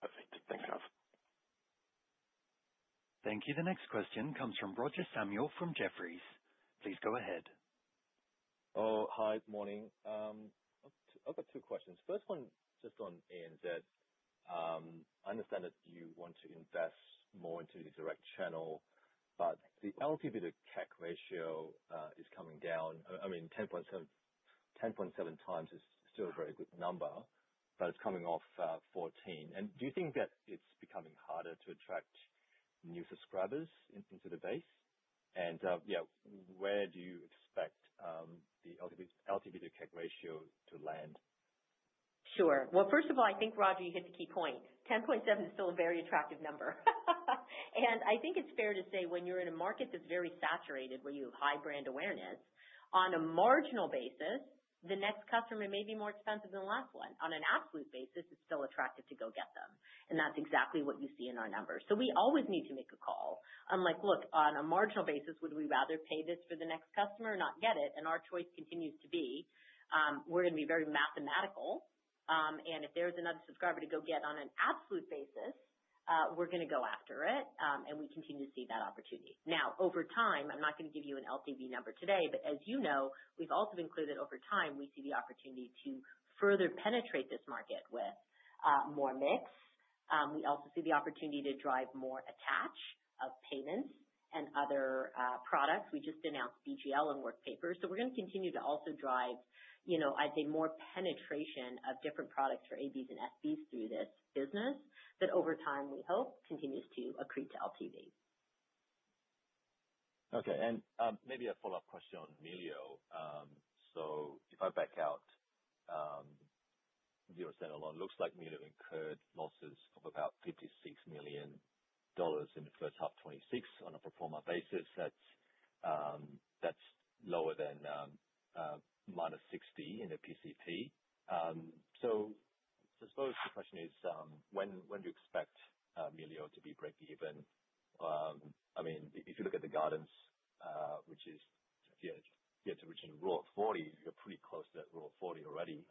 [SPEAKER 7] Perfect. Thanks, guys.
[SPEAKER 3] Thank you. The next question comes from Roger Samuel from Jefferies. Please go ahead.
[SPEAKER 8] Oh, hi, morning. I've got two questions. First one, just on ANZ. I understand that you want to invest more into the direct channel, but the LTV to CAC ratio is coming down. I mean, 10.7 times is still a very good number, but it's coming off 14. And do you think that it's becoming harder to attract new subscribers into the base? And yeah, where do you expect the LTV to CAC ratio to land?
[SPEAKER 1] Sure. Well, first of all, I think, Roger, you hit the key point. 10.7 is still a very attractive number. And I think it's fair to say when you're in a market that's very saturated, where you have high brand awareness, on a marginal basis, the next customer may be more expensive than the last one. On an absolute basis, it's still attractive to go get them. And that's exactly what you see in our numbers. So we always need to make a call. I'm like, look, on a marginal basis, would we rather pay this for the next customer or not get it? Our choice continues to be we're going to be very mathematical. And if there's another subscriber to go get on an absolute basis, we're going to go after it. And we continue to see that opportunity. Now, over time, I'm not going to give you an LTV number today, but as you know, we've also included over time, we see the opportunity to further penetrate this market with more mix. We also see the opportunity to drive more attach of payments and other products. We just announced BGL and Workpapers. So we're going to continue to also drive, I'd say, more penetration of different products for ABs and SBs through this business that over time, we hope, continues to accrete to LTV.
[SPEAKER 8] Okay. And maybe a follow-up question on Melio. So if I back out Xero standalone, looks like we have incurred losses of about $56 million in the first half of 2026 on a pro forma basis. That's lower than minus $60 million in the PCP. So I suppose the question is, when do you expect Melio to be break-even? I mean, if you look at the guidance, which is year to reaching Rule of 40, you're pretty close to that Rule of 40 already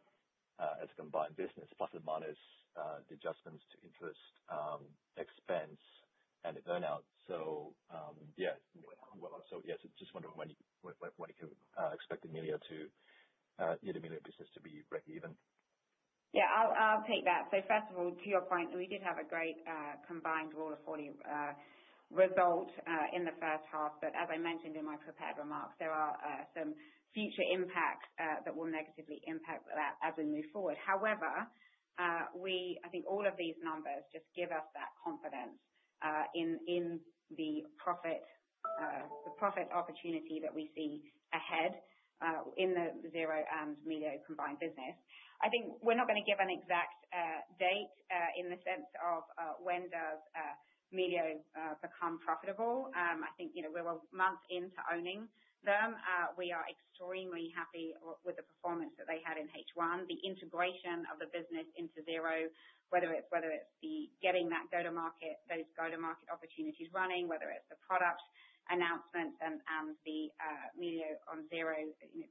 [SPEAKER 8] as a combined business, plus or minus the adjustments to interest, expense, and the earn-out. So yeah, so yes, I just wonder when you can expect Melio to get Melio business to be break-even.
[SPEAKER 2] Yeah, I'll take that. So first of all, to your point, we did have a great combined Rule of 40 result in the first half. But as I mentioned in my prepared remarks, there are some future impacts that will negatively impact that as we move forward. However, I think all of these numbers just give us that confidence in the profit opportunity that we see ahead in the Xero and Melio combined business. I think we're not going to give an exact date in the sense of when does Melio become profitable. I think we're a month into owning them. We are extremely happy with the performance that they had in H1. The integration of the business into Xero, whether it's getting those go-to-market opportunities running, whether it's the product announcements and the Melio on Xero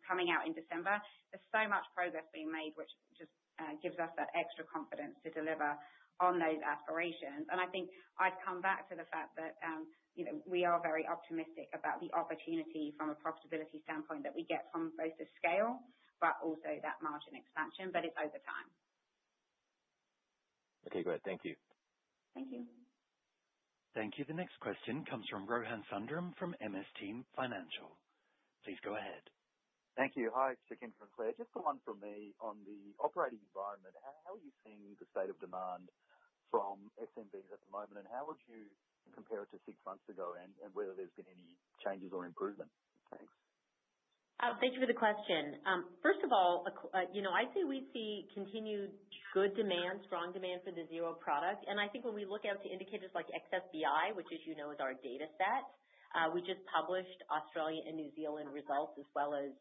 [SPEAKER 2] coming out in December, there's so much progress being made, which just gives us that extra confidence to deliver on those aspirations. And I think I'd come back to the fact that we are very optimistic about the opportunity from a profitability standpoint that we get from both the scale, but also that margin expansion, but it's over time.
[SPEAKER 8] Okay, great. Thank you.
[SPEAKER 2] Thank you.
[SPEAKER 3] Thank you. The next question comes from Rohan Sundram from MST Financial. Please go ahead.
[SPEAKER 9] Thank you. Hi, Sukhinder and Claire. Just a one from me on the operating environment. How are you seeing the state of demand from SMBs at the moment, and how would you compare it to six months ago and whether there's been any changes or improvement? Thanks.
[SPEAKER 1] Thank you for the question. First of all, I'd say we see continued good demand, strong demand for the Xero product. I think when we look out to indicators like XSBI, which is our data set, we just published Australia and New Zealand results as well as,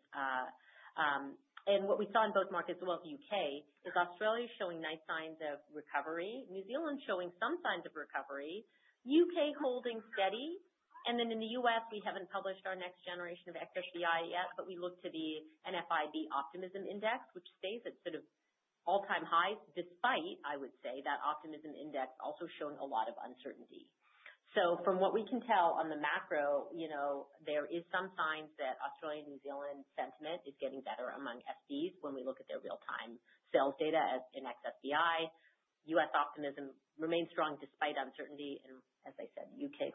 [SPEAKER 1] and what we saw in both markets, as well as the U.K., is Australia showing nice signs of recovery, New Zealand showing some signs of recovery, U.K. holding steady. And then in the U.S., we haven't published our next generation of XSBI yet, but we look to the NFIB Optimism Index, which stays at sort of all-time highs despite, I would say, that Optimism Index also showing a lot of uncertainty. So from what we can tell on the macro, there are some signs that Australia and New Zealand sentiment is getting better among SBs when we look at their real-time sales data in XSBI. U.S. Optimism remains strong despite uncertainty, and as I said, U.K.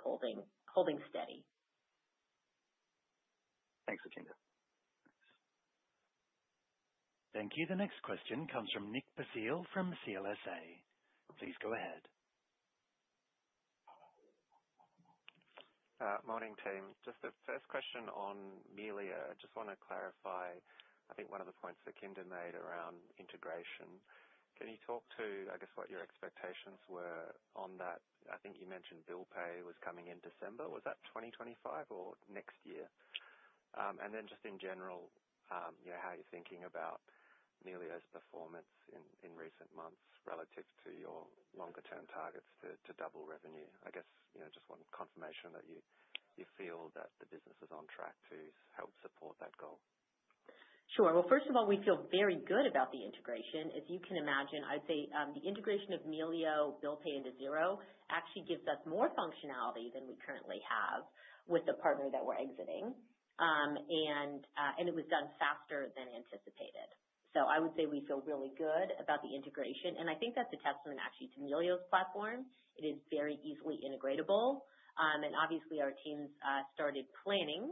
[SPEAKER 1] holding steady.
[SPEAKER 9] Thanks, Sukhinder. Thank you.
[SPEAKER 3] The next question comes from Nick Basile from CLSA. Please go ahead.
[SPEAKER 10] Morning, team. Just the first question on Melio. I just want to clarify, I think one of the points that Sukhinder made around integration. Can you talk to, I guess, what your expectations were on that? I think you mentioned bill pay was coming in December. Was that 2025 or next year? And then just in general, how are you thinking about Melio's performance in recent months relative to your longer-term targets to double revenue? I guess just one confirmation that you feel that the business is on track to help support that goal.
[SPEAKER 1] Sure. Well, first of all, we feel very good about the integration. As you can imagine, I'd say the integration of Melio bill pay into Xero actually gives us more functionality than we currently have with the partner that we're exiting. And it was done faster than anticipated. So I would say we feel really good about the integration. And I think that's a testament actually to Melio's platform. It is very easily integratable. And obviously, our teams started planning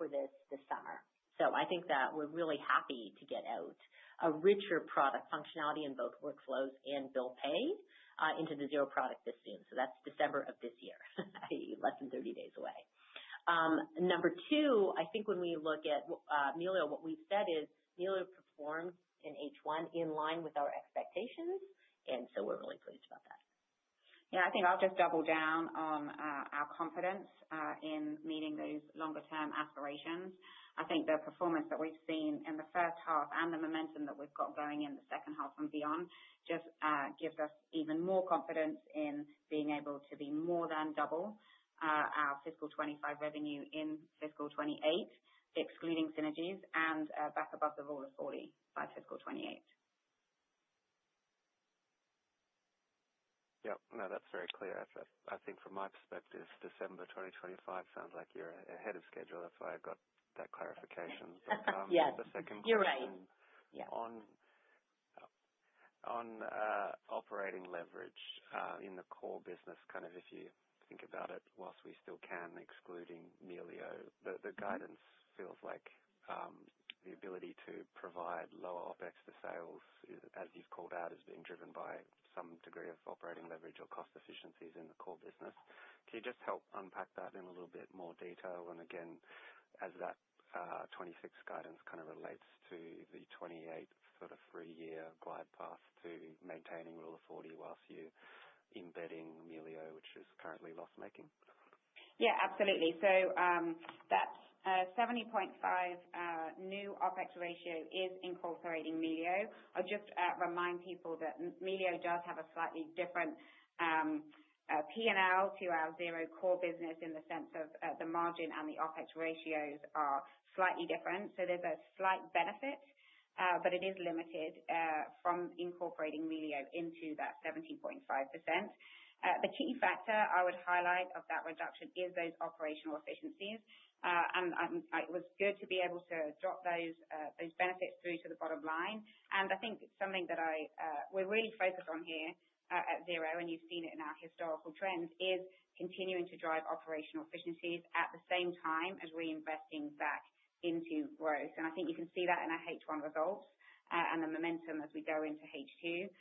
[SPEAKER 1] for this this summer. So I think that we're really happy to get out a richer product functionality in both workflows and bill pay into the Xero product this soon. So that's December of this year, less than 30 days away. Number two, I think when we look at Melio, what we've said is Melio performed in H1 in line with our expectations. And so we're really pleased about that. Yeah, I think I'll just double down on our confidence in meeting those longer-term aspirations. I think the performance that we've seen in the first half and the momentum that we've got going in the second half and beyond just gives us even more confidence in being able to be more than double our fiscal 2025 revenue in fiscal 28, excluding synergies, and back above the Rule of 40 by fiscal 2028.
[SPEAKER 10] Yep. No, that's very clear. I think from my perspective, December 2025 sounds like you're ahead of schedule. That's why I got that clarification. But the second question.
[SPEAKER 1] You're right.
[SPEAKER 10] On operating leverage in the core business, kind of if you think about it while we still can, excluding Melio, the guidance feels like the ability to provide lower OpEx to sales, as you've called out, is being driven by some degree of operating leverage or cost efficiencies in the core business. Can you just help unpack that in a little bit more detail? And again, as that 2026 guidance kind of relates to the 2028 sort of three-year glide path to maintaining Rule of 40 while you're embedding Melio, which is currently loss-making?
[SPEAKER 2] Yeah, absolutely. So that 70.5 new OpEx ratio is incorporating Melio. I'll just remind people that Melio does have a slightly different P&L to our Xero core business in the sense of the margin and the OpEx ratios are slightly different. So there's a slight benefit, but it is limited from incorporating Melio into that 17.5%. The key factor I would highlight of that reduction is those operational efficiencies. And it was good to be able to drop those benefits through to the bottom line. I think something that we're really focused on here at Xero, and you've seen it in our historical trends, is continuing to drive operational efficiencies at the same time as reinvesting back into growth. I think you can see that in our H1 results and the momentum as we go into H2,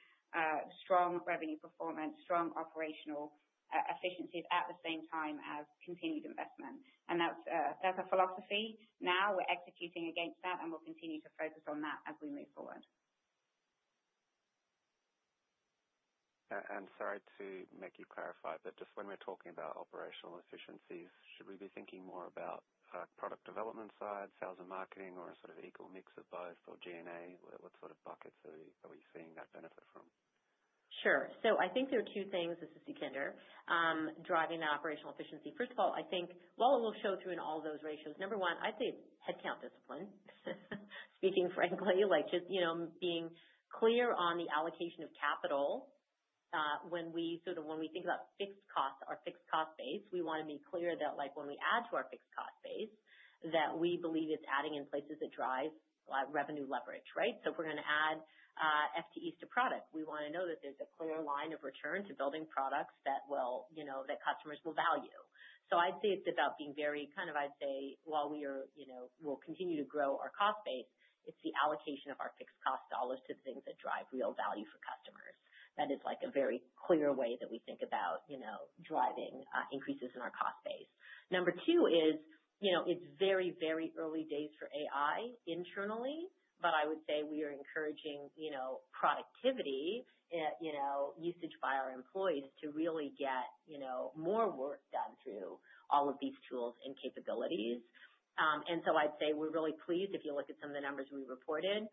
[SPEAKER 2] strong revenue performance, strong operational efficiencies at the same time as continued investment. That's our philosophy. Now we're executing against that, and we'll continue to focus on that as we move forward.
[SPEAKER 10] Sorry to make you clarify, but just when we're talking about operational efficiencies, should we be thinking more about product development side, sales and marketing, or a sort of equal mix of both, or G&A? What sort of buckets are we seeing that benefit from?
[SPEAKER 1] Sure. So I think there are two things, this is Sukhinder, driving the operational efficiency. First of all, I think while it will show through in all those ratios, number one, I'd say headcount discipline, speaking frankly, like just being clear on the allocation of capital. When we think about fixed costs, our fixed cost base, we want to be clear that when we add to our fixed cost base, that we believe it's adding in places that drive revenue leverage, right? So if we're going to add FTEs to product, we want to know that there's a clear line of return to building products that customers will value. So I'd say it's about being very kind of, I'd say, while we will continue to grow our cost base, it's the allocation of our fixed cost dollars to the things that drive real value for customers. That is a very clear way that we think about driving increases in our cost base. Number two is it's very, very early days for AI internally, but I would say we are encouraging productivity usage by our employees to really get more work done through all of these tools and capabilities. And so I'd say we're really pleased if you look at some of the numbers we reported.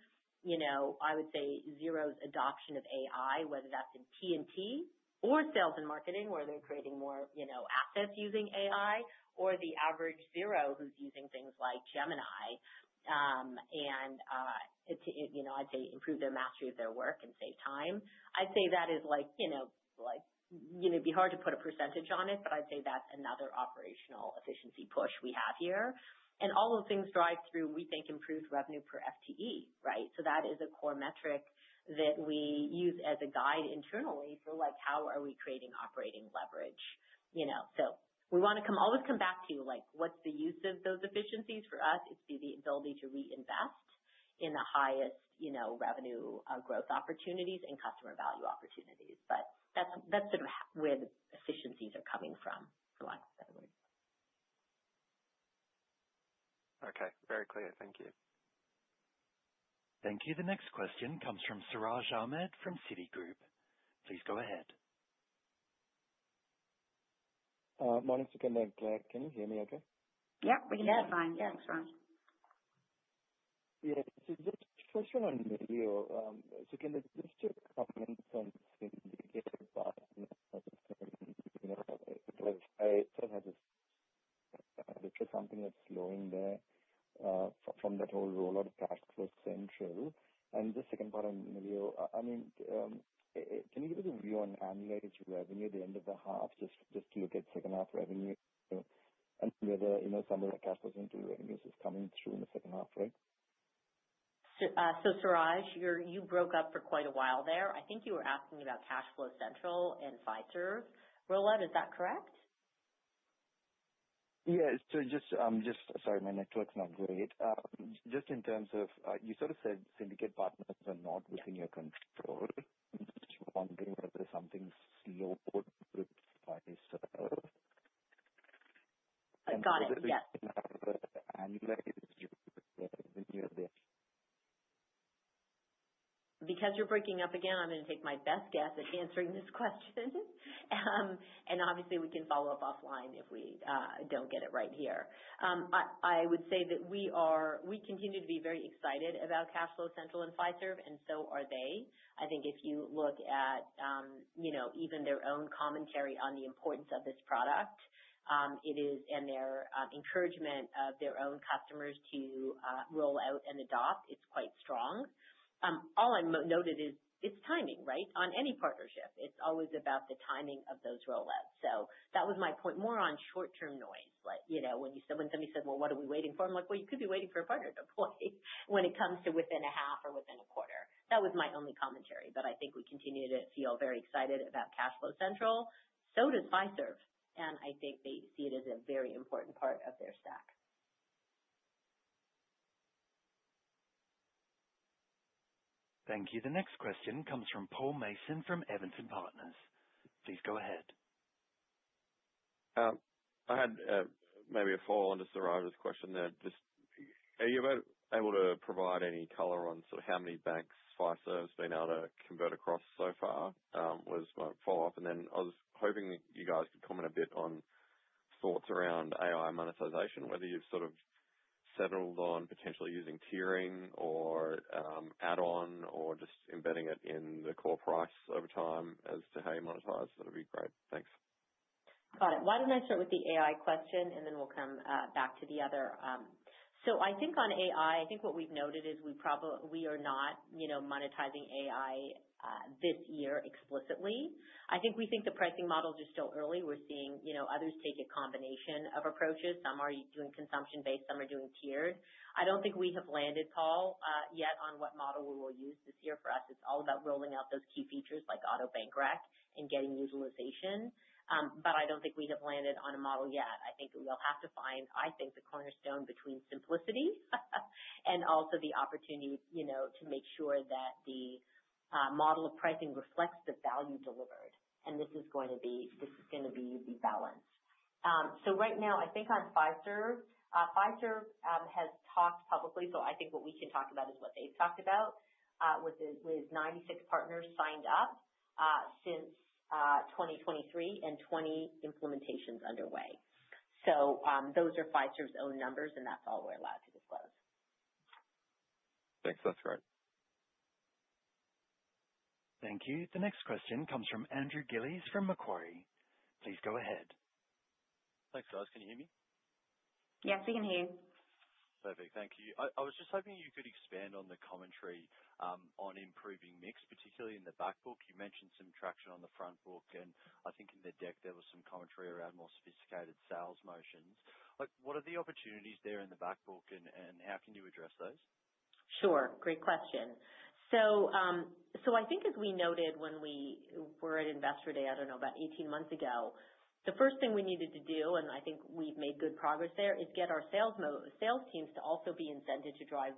[SPEAKER 1] I would say Xero's adoption of AI, whether that's in P&T or sales and marketing, where they're creating more assets using AI, or the average Xero who's using things like Gemini, and I'd say improve their mastery of their work and save time. I'd say that is like it'd be hard to put a percentage on it, but I'd say that's another operational efficiency push we have here. And all those things drive through, we think, improved revenue per FTE, right? So that is a core metric that we use as a guide internally for how are we creating operating leverage. So we want to always come back to what's the use of those efficiencies for us? It's the ability to reinvest in the highest revenue growth opportunities and customer value opportunities. But that's sort of where the efficiencies are coming from, for lack of a better word.
[SPEAKER 10] Okay. Very clear. Thank you.
[SPEAKER 3] Thank you. The next question comes from Siraj Ahmed from Citigroup. Please go ahead.
[SPEAKER 11] Morning, Sukhinder. Claire, can you hear me okay?
[SPEAKER 1] Yep. We can hear you fine.
[SPEAKER 2] Yeah, that's fine.
[SPEAKER 11] Yeah. So just a question on Melio. Sukhinder, just a comment on the indicator part. It does have a bit of something that's slowing there from that whole rollout of Cash Flow Central. And just a second part on Melio. I mean, can you give us a view on Melio's revenue at the end of the half, just to look at second-half revenue and whether some of the Cash Flow Central revenues is coming through in the second half, right?
[SPEAKER 1] So Siraj, you broke up for quite a while there. I think you were asking about Cash Flow Central and Fiserv's rollout. Is that correct?
[SPEAKER 11] Yeah. So just, sorry, my network's not great. Just in terms of you sort of said syndicate partners are not within your control. I'm just wondering whether something's slowed with Fiserv.
[SPEAKER 1] Got it. Yeah.
[SPEAKER 11] And Melio is within your.
[SPEAKER 1] Because you're breaking up again, I'm going to take my best guess at answering this question. And obviously, we can follow up offline if we don't get it right here. I would say that we continue to be very excited about Cash Flow Central and Fiserv, and so are they. I think if you look at even their own commentary on the importance of this product, it is, and their encouragement of their own customers to roll out and adopt, it's quite strong. All I noted is it's timing, right? On any partnership, it's always about the timing of those rollouts. So that was my point, more on short-term noise. When somebody said, "Well, what are we waiting for?" I'm like, "Well, you could be waiting for a partner to deploy when it comes to within a half or within a quarter." That was my only commentary. But I think we continue to feel very excited about Cash Flow Central, so does Fiserv. And I think they see it as a very important part of their stack.
[SPEAKER 3] Thank you. The next question comes from Paul Mason from Evans & Partners. Please go ahead.
[SPEAKER 12] I had maybe a follow-on to Siraj's question there. Are you able to provide any color on sort of how many banks Fiserv has been able to convert across so far? Was my follow-up. And then I was hoping you guys could comment a bit on thoughts around AI monetization, whether you've sort of settled on potentially using tiering or add-on or just embedding it in the core price over time as to how you monetize. That would be great. Thanks.
[SPEAKER 1] Got it. Why don't I start with the AI question, and then we'll come back to the other. So I think on AI, I think what we've noted is we are not monetizing AI this year explicitly. I think we think the pricing models are still early. We're seeing others take a combination of approaches. Some are doing consumption-based. Some are doing tiered. I don't think we have landed, Paul, yet on what model we will use this year. For us, it's all about rolling out those key features like auto bank rec and getting utilization. But I don't think we have landed on a model yet. I think we'll have to find, I think, the cornerstone between simplicity and also the opportunity to make sure that the model of pricing reflects the value delivered. And this is going to be the balance. So right now, I think on Fiserv, Fiserv has talked publicly. So I think what we can talk about is what they've talked about with 96 partners signed up since 2023 and 20 implementations underway. So those are Fiserv's own numbers, and that's all we're allowed to disclose.
[SPEAKER 12] Thanks. That's great.
[SPEAKER 3] Thank you. The next question comes from Andrew Gillies from Macquarie. Please go ahead.
[SPEAKER 13] Thanks, guys. Can you hear me?
[SPEAKER 1] Yes, we can hear you.
[SPEAKER 13] Perfect. Thank you. I was just hoping you could expand on the commentary on improving mix, particularly in the backbook. You mentioned some traction on the front book. And I think in the deck, there was some commentary around more sophisticated sales motions. What are the opportunities there in the backbook, and how can you address those?
[SPEAKER 1] Sure. Great question. So I think as we noted when we were at Investor Day, I don't know, about 18 months ago, the first thing we needed to do, and I think we've made good progress there, is get our sales teams to also be incented to drive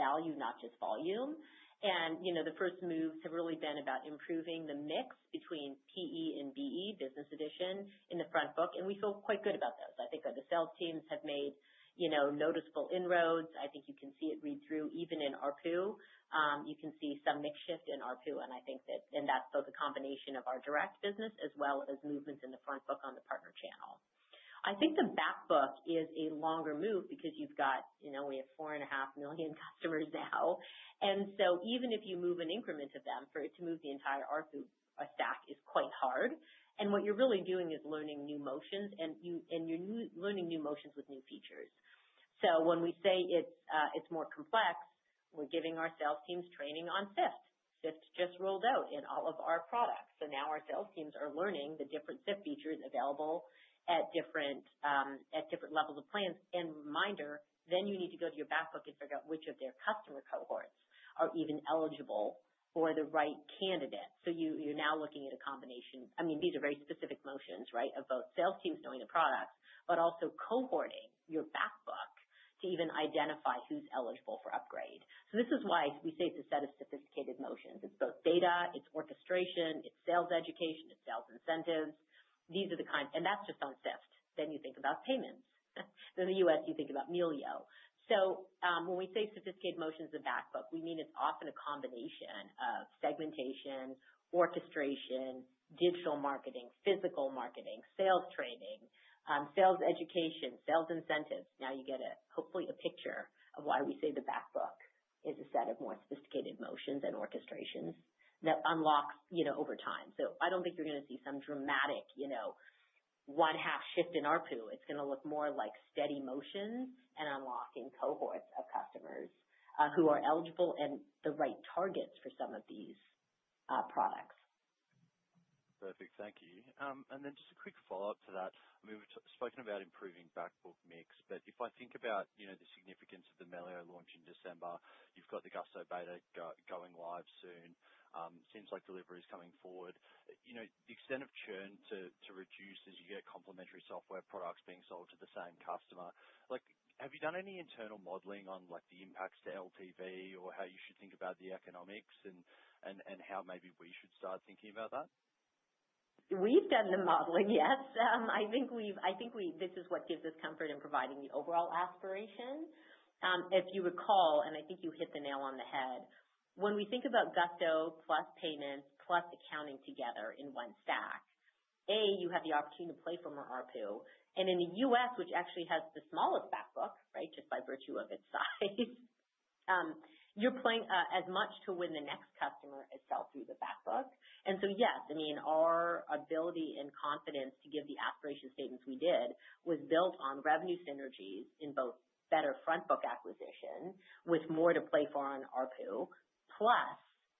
[SPEAKER 1] value, not just volume. The first moves have really been about improving the mix between PE and BE, business edition, in the front book. And we feel quite good about those. I think that the sales teams have made noticeable inroads. I think you can see it read through even in ARPU. You can see some mix shift in ARPU. And I think that that's both a combination of our direct business as well as movements in the front book on the partner channel. I think the back book is a longer move because we have 4.5 million customers now. And so even if you move an increment of them, for it to move the entire ARPU stack is quite hard. And what you're really doing is learning new motions, and you're learning new motions with new features. When we say it's more complex, we're giving our sales teams training on Syft. Syft just rolled out in all of our products. So now our sales teams are learning the different Syft features available at different levels of plans. And reminder, then you need to go to your backbook and figure out which of their customer cohorts are even eligible for the right candidate. So you're now looking at a combination. I mean, these are very specific motions, right, of both sales teams knowing the products, but also cohorting your backbook to even identify who's eligible for upgrade. So this is why we say it's a set of sophisticated motions. It's both data, it's orchestration, it's sales education, it's sales incentives. These are the kinds and that's just on Syft. Then you think about payments. In the U.S., you think about Melio. So when we say sophisticated motions in the backbook, we mean it's often a combination of segmentation, orchestration, digital marketing, physical marketing, sales training, sales education, sales incentives. Now you get a hopefully a picture of why we say the backbook is a set of more sophisticated motions and orchestrations that unlocks over time. So I don't think you're going to see some dramatic one-half shift in ARPU. It's going to look more like steady motions and unlocking cohorts of customers who are eligible and the right targets for some of these products.
[SPEAKER 13] Perfect. Thank you. And then just a quick follow-up to that. We've spoken about improving backbook mix, but if I think about the significance of the Melio launch in December, you've got the Gusto beta going live soon, seems like delivery is coming forward. The extent of churn to reduce as you get complementary software products being sold to the same customer. Have you done any internal modeling on the impacts to LTV or how you should think about the economics and how maybe we should start thinking about that?
[SPEAKER 1] We've done the modeling, yes. I think this is what gives us comfort in providing the overall aspiration. If you recall, and I think you hit the nail on the head, when we think about Gusto plus payments plus accounting together in one stack, A, you have the opportunity to play from our ARPU. And in the U.S., which actually has the smallest backbook, right, just by virtue of its size, you're playing as much to win the next customer as sell through the backbook. And so, yes, I mean, our ability and confidence to give the aspiration statements we did was built on revenue synergies in both better front book acquisition with more to play for on ARPU, plus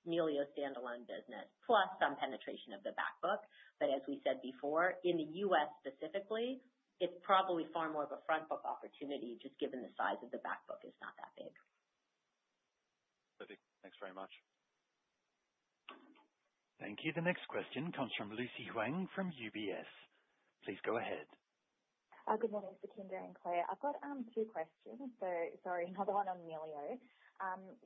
[SPEAKER 1] Melio standalone business, plus some penetration of the back book. But as we said before, in the U.S. specifically, it's probably far more of a front book opportunity just given the size of the back book is not that big.
[SPEAKER 13] Perfect. Thanks very much.
[SPEAKER 3] Thank you. The next question comes from Lucy Huang from UBS. Please go ahead.
[SPEAKER 14] Good morning, Sukhinder and Claire. I've got two questions. So sorry, another one on Melio.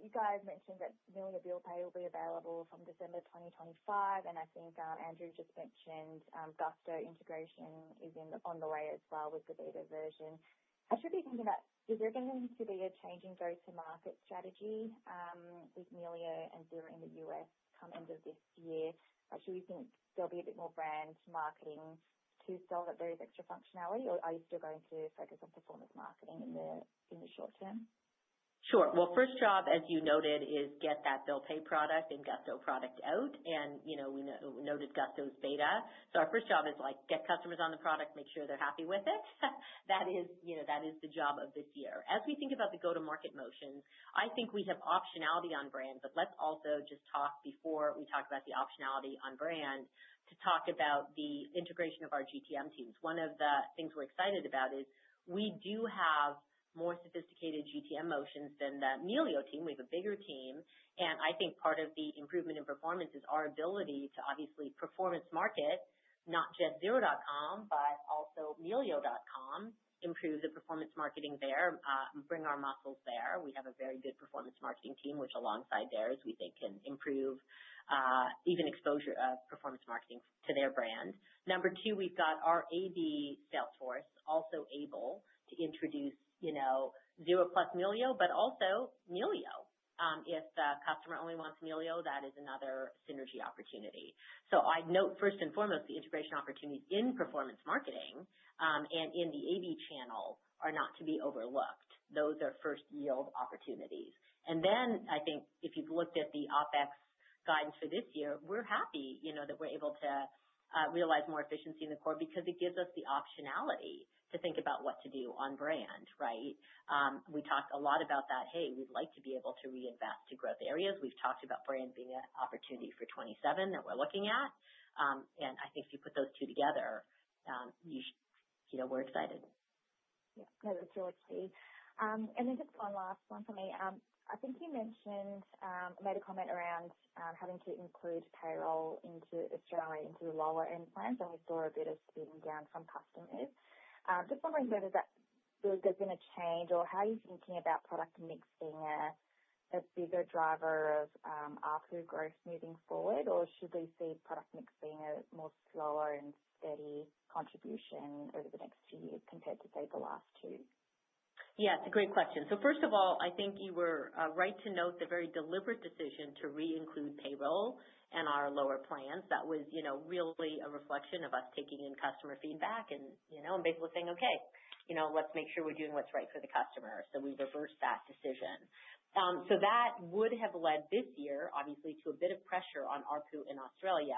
[SPEAKER 14] You guys mentioned that Melio bill pay will be available from December 2025. And I think Andrew just mentioned Gusto integration is on the way as well with the beta version. I should be thinking about, is there going to be a changing go-to-market strategy with Melio and Xero in the U.S. come end of this year? Do you think there'll be a bit more brand marketing to sell that there is extra functionality, or are you still going to focus on performance marketing in the short term?
[SPEAKER 1] Sure. Well, first job, as you noted, is get that bill pay product and Gusto product out. And we noted Gusto's beta. So our first job is get customers on the product, make sure they're happy with it. That is the job of this year. As we think about the go-to-market motions, I think we have optionality on brand, but let's also just talk before we talk about the optionality on brand to talk about the integration of our GTM teams. One of the things we're excited about is we do have more sophisticated GTM motions than the Melio team. We have a bigger team. And I think part of the improvement in performance is our ability to obviously performance market not just Xero.com, but also Melio.com, improve the performance marketing there, bring our muscles there. We have a very good performance marketing team, which alongside theirs, we think can improve even exposure of performance marketing to their brand. Number two, we've got our AB Salesforce also able to introduce Xero plus Melio, but also Melio. If a customer only wants Melio, that is another synergy opportunity. So I'd note first and foremost, the integration opportunities in performance marketing and in the AB channel are not to be overlooked. Those are first yield opportunities. And then I think if you've looked at the OpEx guidance for this year, we're happy that we're able to realize more efficiency in the core because it gives us the optionality to think about what to do on brand, right? We talked a lot about that. Hey, we'd like to be able to reinvest to growth areas. We've talked about brand being an opportunity for 2027 that we're looking at. And I think if you put those two together, we're excited.
[SPEAKER 14] Yeah. No, that's really key. And then just one last one for me. I think you mentioned I made a comment around having to include payroll into Australia, into the lower-end plans, and we saw a bit of churn from customers. Just wondering whether there's been a change or how you're thinking about product mix being a bigger driver of ARPU growth moving forward, or should we see product mix being a more slower and steady contribution over the next few years compared to, say, the last two?
[SPEAKER 1] Yeah. It's a great question, so first of all, I think you were right to note the very deliberate decision to reinclude payroll and our lower plans. That was really a reflection of us taking in customer feedback and people saying, "Okay, let's make sure we're doing what's right for the customer," so we reversed that decision, so that would have led this year, obviously, to a bit of pressure on ARPU in Australia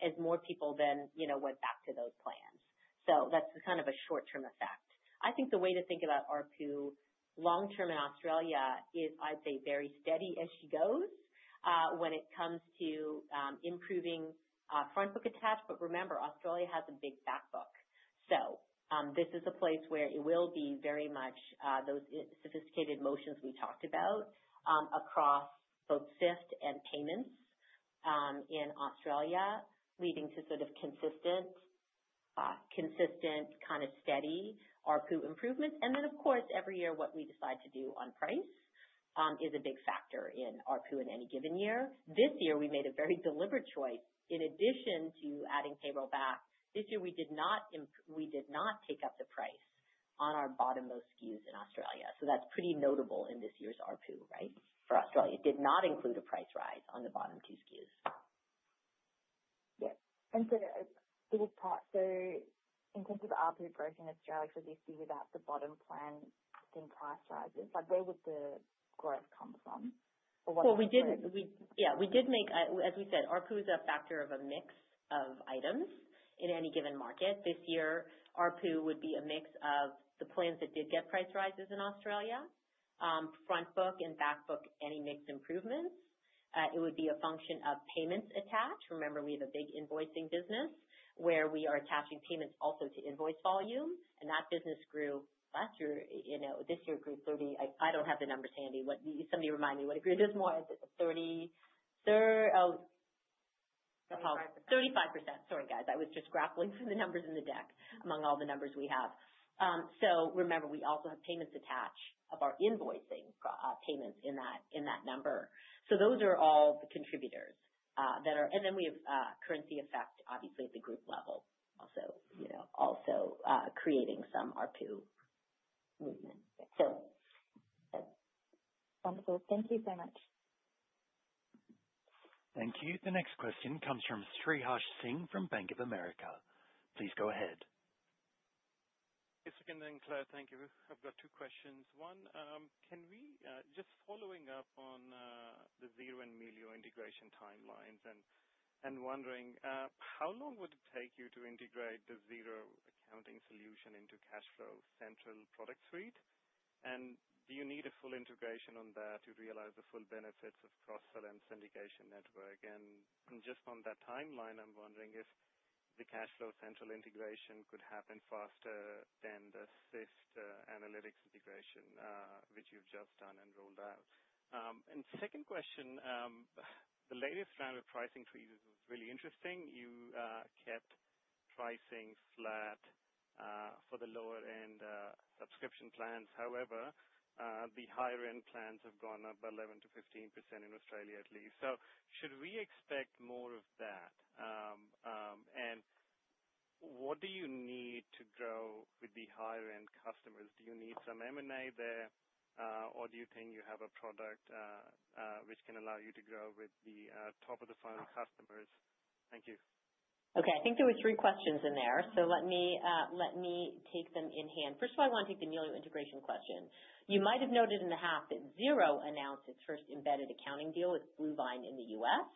[SPEAKER 1] as more people then went back to those plans. So that's kind of a short-term effect. I think the way to think about ARPU long-term in Australia is, I'd say, very steady as she goes when it comes to improving front book attach. But remember, Australia has a big backbook. So this is a place where it will be very much those sophisticated motions we talked about across both Syft and payments in Australia, leading to sort of consistent, kind of steady ARPU improvements. And then, of course, every year, what we decide to do on price is a big factor in ARPU in any given year. This year, we made a very deliberate choice. In addition to adding payroll back, this year, we did not take up the price on our bottom-most SKUs in Australia. So that's pretty notable in this year's ARPU, right, for Australia. It did not include a price rise on the bottom two SKUs. Yeah.
[SPEAKER 14] In terms of ARPU growth in Australia, so this year without the bottom plan, I think price rises. Where would the growth come from? Or what's the reason?
[SPEAKER 1] Yeah. We did make, as we said, ARPU is a factor of a mix of items in any given market. This year, ARPU would be a mix of the plans that did get price rises in Australia, front book and backbook, any mixed improvements. It would be a function of payments attach. Remember, we have a big invoicing business where we are attaching payments also to invoice volume. And that business grew last year. This year grew 30. I don't have the numbers handy. Somebody remind me what it grew this more. 30? 35%. Sorry, guys. I was just grappling for the numbers in the deck among all the numbers we have. So remember, we also have payments attached to our invoicing payments in that number. So those are all the contributors that are. And then we have currency effect, obviously, at the group level, also creating some ARPU movement. So
[SPEAKER 14] That's wonderful. Thank you so much.
[SPEAKER 3] Thank you. The next question comes from Sriharsh Singh from Bank of America. Please go ahead.
[SPEAKER 15] Yes, again, Claire. Thank you. I've got two questions. One, just following up on the Xero and Melio integration timelines, I'm wondering how long would it take you to integrate the Xero accounting solution into Cash Flow Central product suite? And do you need a full integration on that to realize the full benefits of Cross-Sell and Syndication Network? And just on that timeline, I'm wondering if the Cash Flow Central integration could happen faster than the Syft analytics integration, which you've just done and rolled out. And second question, the latest round of pricing updates was really interesting. You kept pricing flat for the lower-end subscription plans. However, the higher-end plans have gone up 11%-15% in Australia, at least. So should we expect more of that? And what do you need to grow with the higher-end customers? Do you need some M&A there, or do you think you have a product which can allow you to grow with the top of the funnel customers? Thank you.
[SPEAKER 1] Okay. I think there were three questions in there. So let me take them in hand. First of all, I want to take the Melio integration question. You might have noted in the half that Xero announced its first embedded accounting deal with Bluevine in the U.S.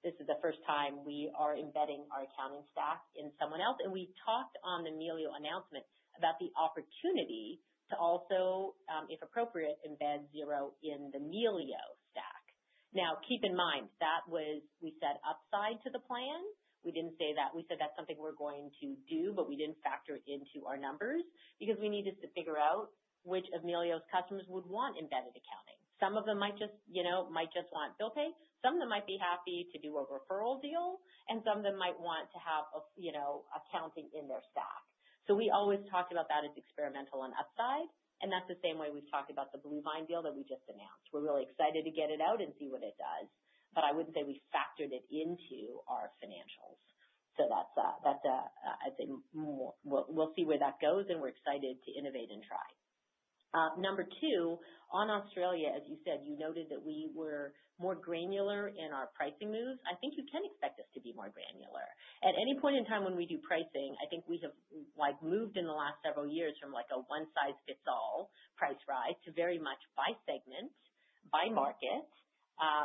[SPEAKER 1] This is the first time we are embedding our accounting stack in someone else. And we talked on the Melio announcement about the opportunity to also, if appropriate, embed Xero in the Melio stack. Now, keep in mind, that was, we said, upside to the plan. We didn't say that. We said that's something we're going to do, but we didn't factor it into our numbers because we needed to figure out which of Melio's customers would want embedded accounting. Some of them might just want bill pay. Some of them might be happy to do a referral deal, and some of them might want to have accounting in their stack. So we always talked about that as experimental and upside. And that's the same way we've talked about the Bluevine deal that we just announced. We're really excited to get it out and see what it does. But I wouldn't say we factored it into our financials. So that's, I think, we'll see where that goes, and we're excited to innovate and try. Number two, on Australia, as you said, you noted that we were more granular in our pricing moves. I think you can expect us to be more granular. At any point in time when we do pricing, I think we have moved in the last several years from a one-size-fits-all price rise to very much by segment, by market,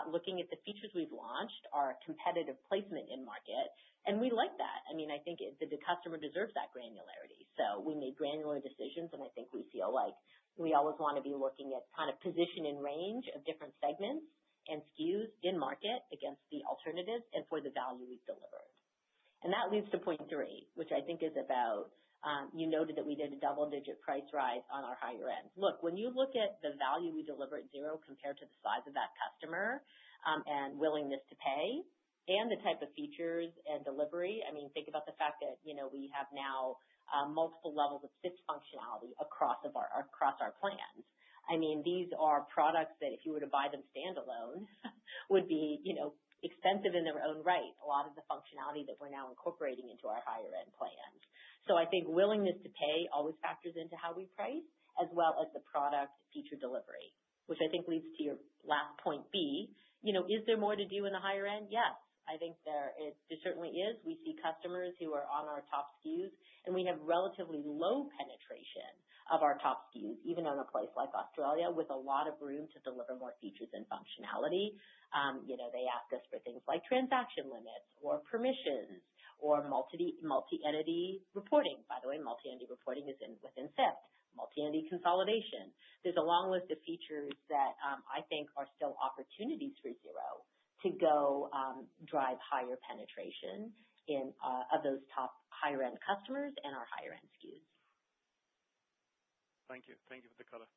[SPEAKER 1] looking at the features we've launched, our competitive placement in market. And we like that. I mean, I think the customer deserves that granularity. So we made granular decisions, and I think we feel like we always want to be looking at kind of position and range of different segments and SKUs in market against the alternatives and for the value we've delivered. That leads to point three, which I think is about you noted that we did a double-digit price rise on our higher-end. Look, when you look at the value we deliver at Xero compared to the size of that customer and willingness to pay and the type of features and delivery, I mean, think about the fact that we have now multiple levels of Syft functionality across our plans. I mean, these are products that if you were to buy them standalone would be expensive in their own right, a lot of the functionality that we're now incorporating into our higher-end plans. So I think willingness to pay always factors into how we price, as well as the product feature delivery, which I think leads to your last point B. Is there more to do in the higher-end? Yes. I think there certainly is. We see customers who are on our top SKUs, and we have relatively low penetration of our top SKUs, even in a place like Australia with a lot of room to deliver more features and functionality. They ask us for things like transaction limits or permissions or multi-entity reporting. By the way, multi-entity reporting is within Syft. Multi-entity consolidation. There's a long list of features that I think are still opportunities for Xero to go drive higher penetration of those top higher-end customers and our higher-end SKUs.
[SPEAKER 15] Thank you. Thank you for the color.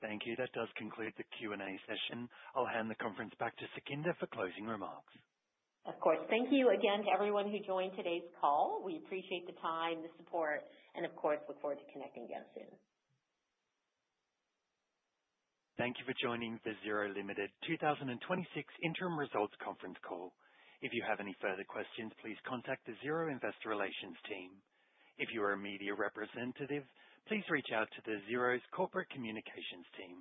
[SPEAKER 3] Thank you. That does conclude the Q&A session. I'll hand the conference back to Sukhinder for closing remarks.
[SPEAKER 1] Of course. Thank you again to everyone who joined today's call. We appreciate the time, the support, and of course, look forward to connecting again soon.
[SPEAKER 3] Thank you for joining the Xero Limited 2026 Interim Results Conference Call. If you have any further questions, please contact the Xero Investor Relations team. If you are a media representative, please reach out to the Xero's Corporate Communications team.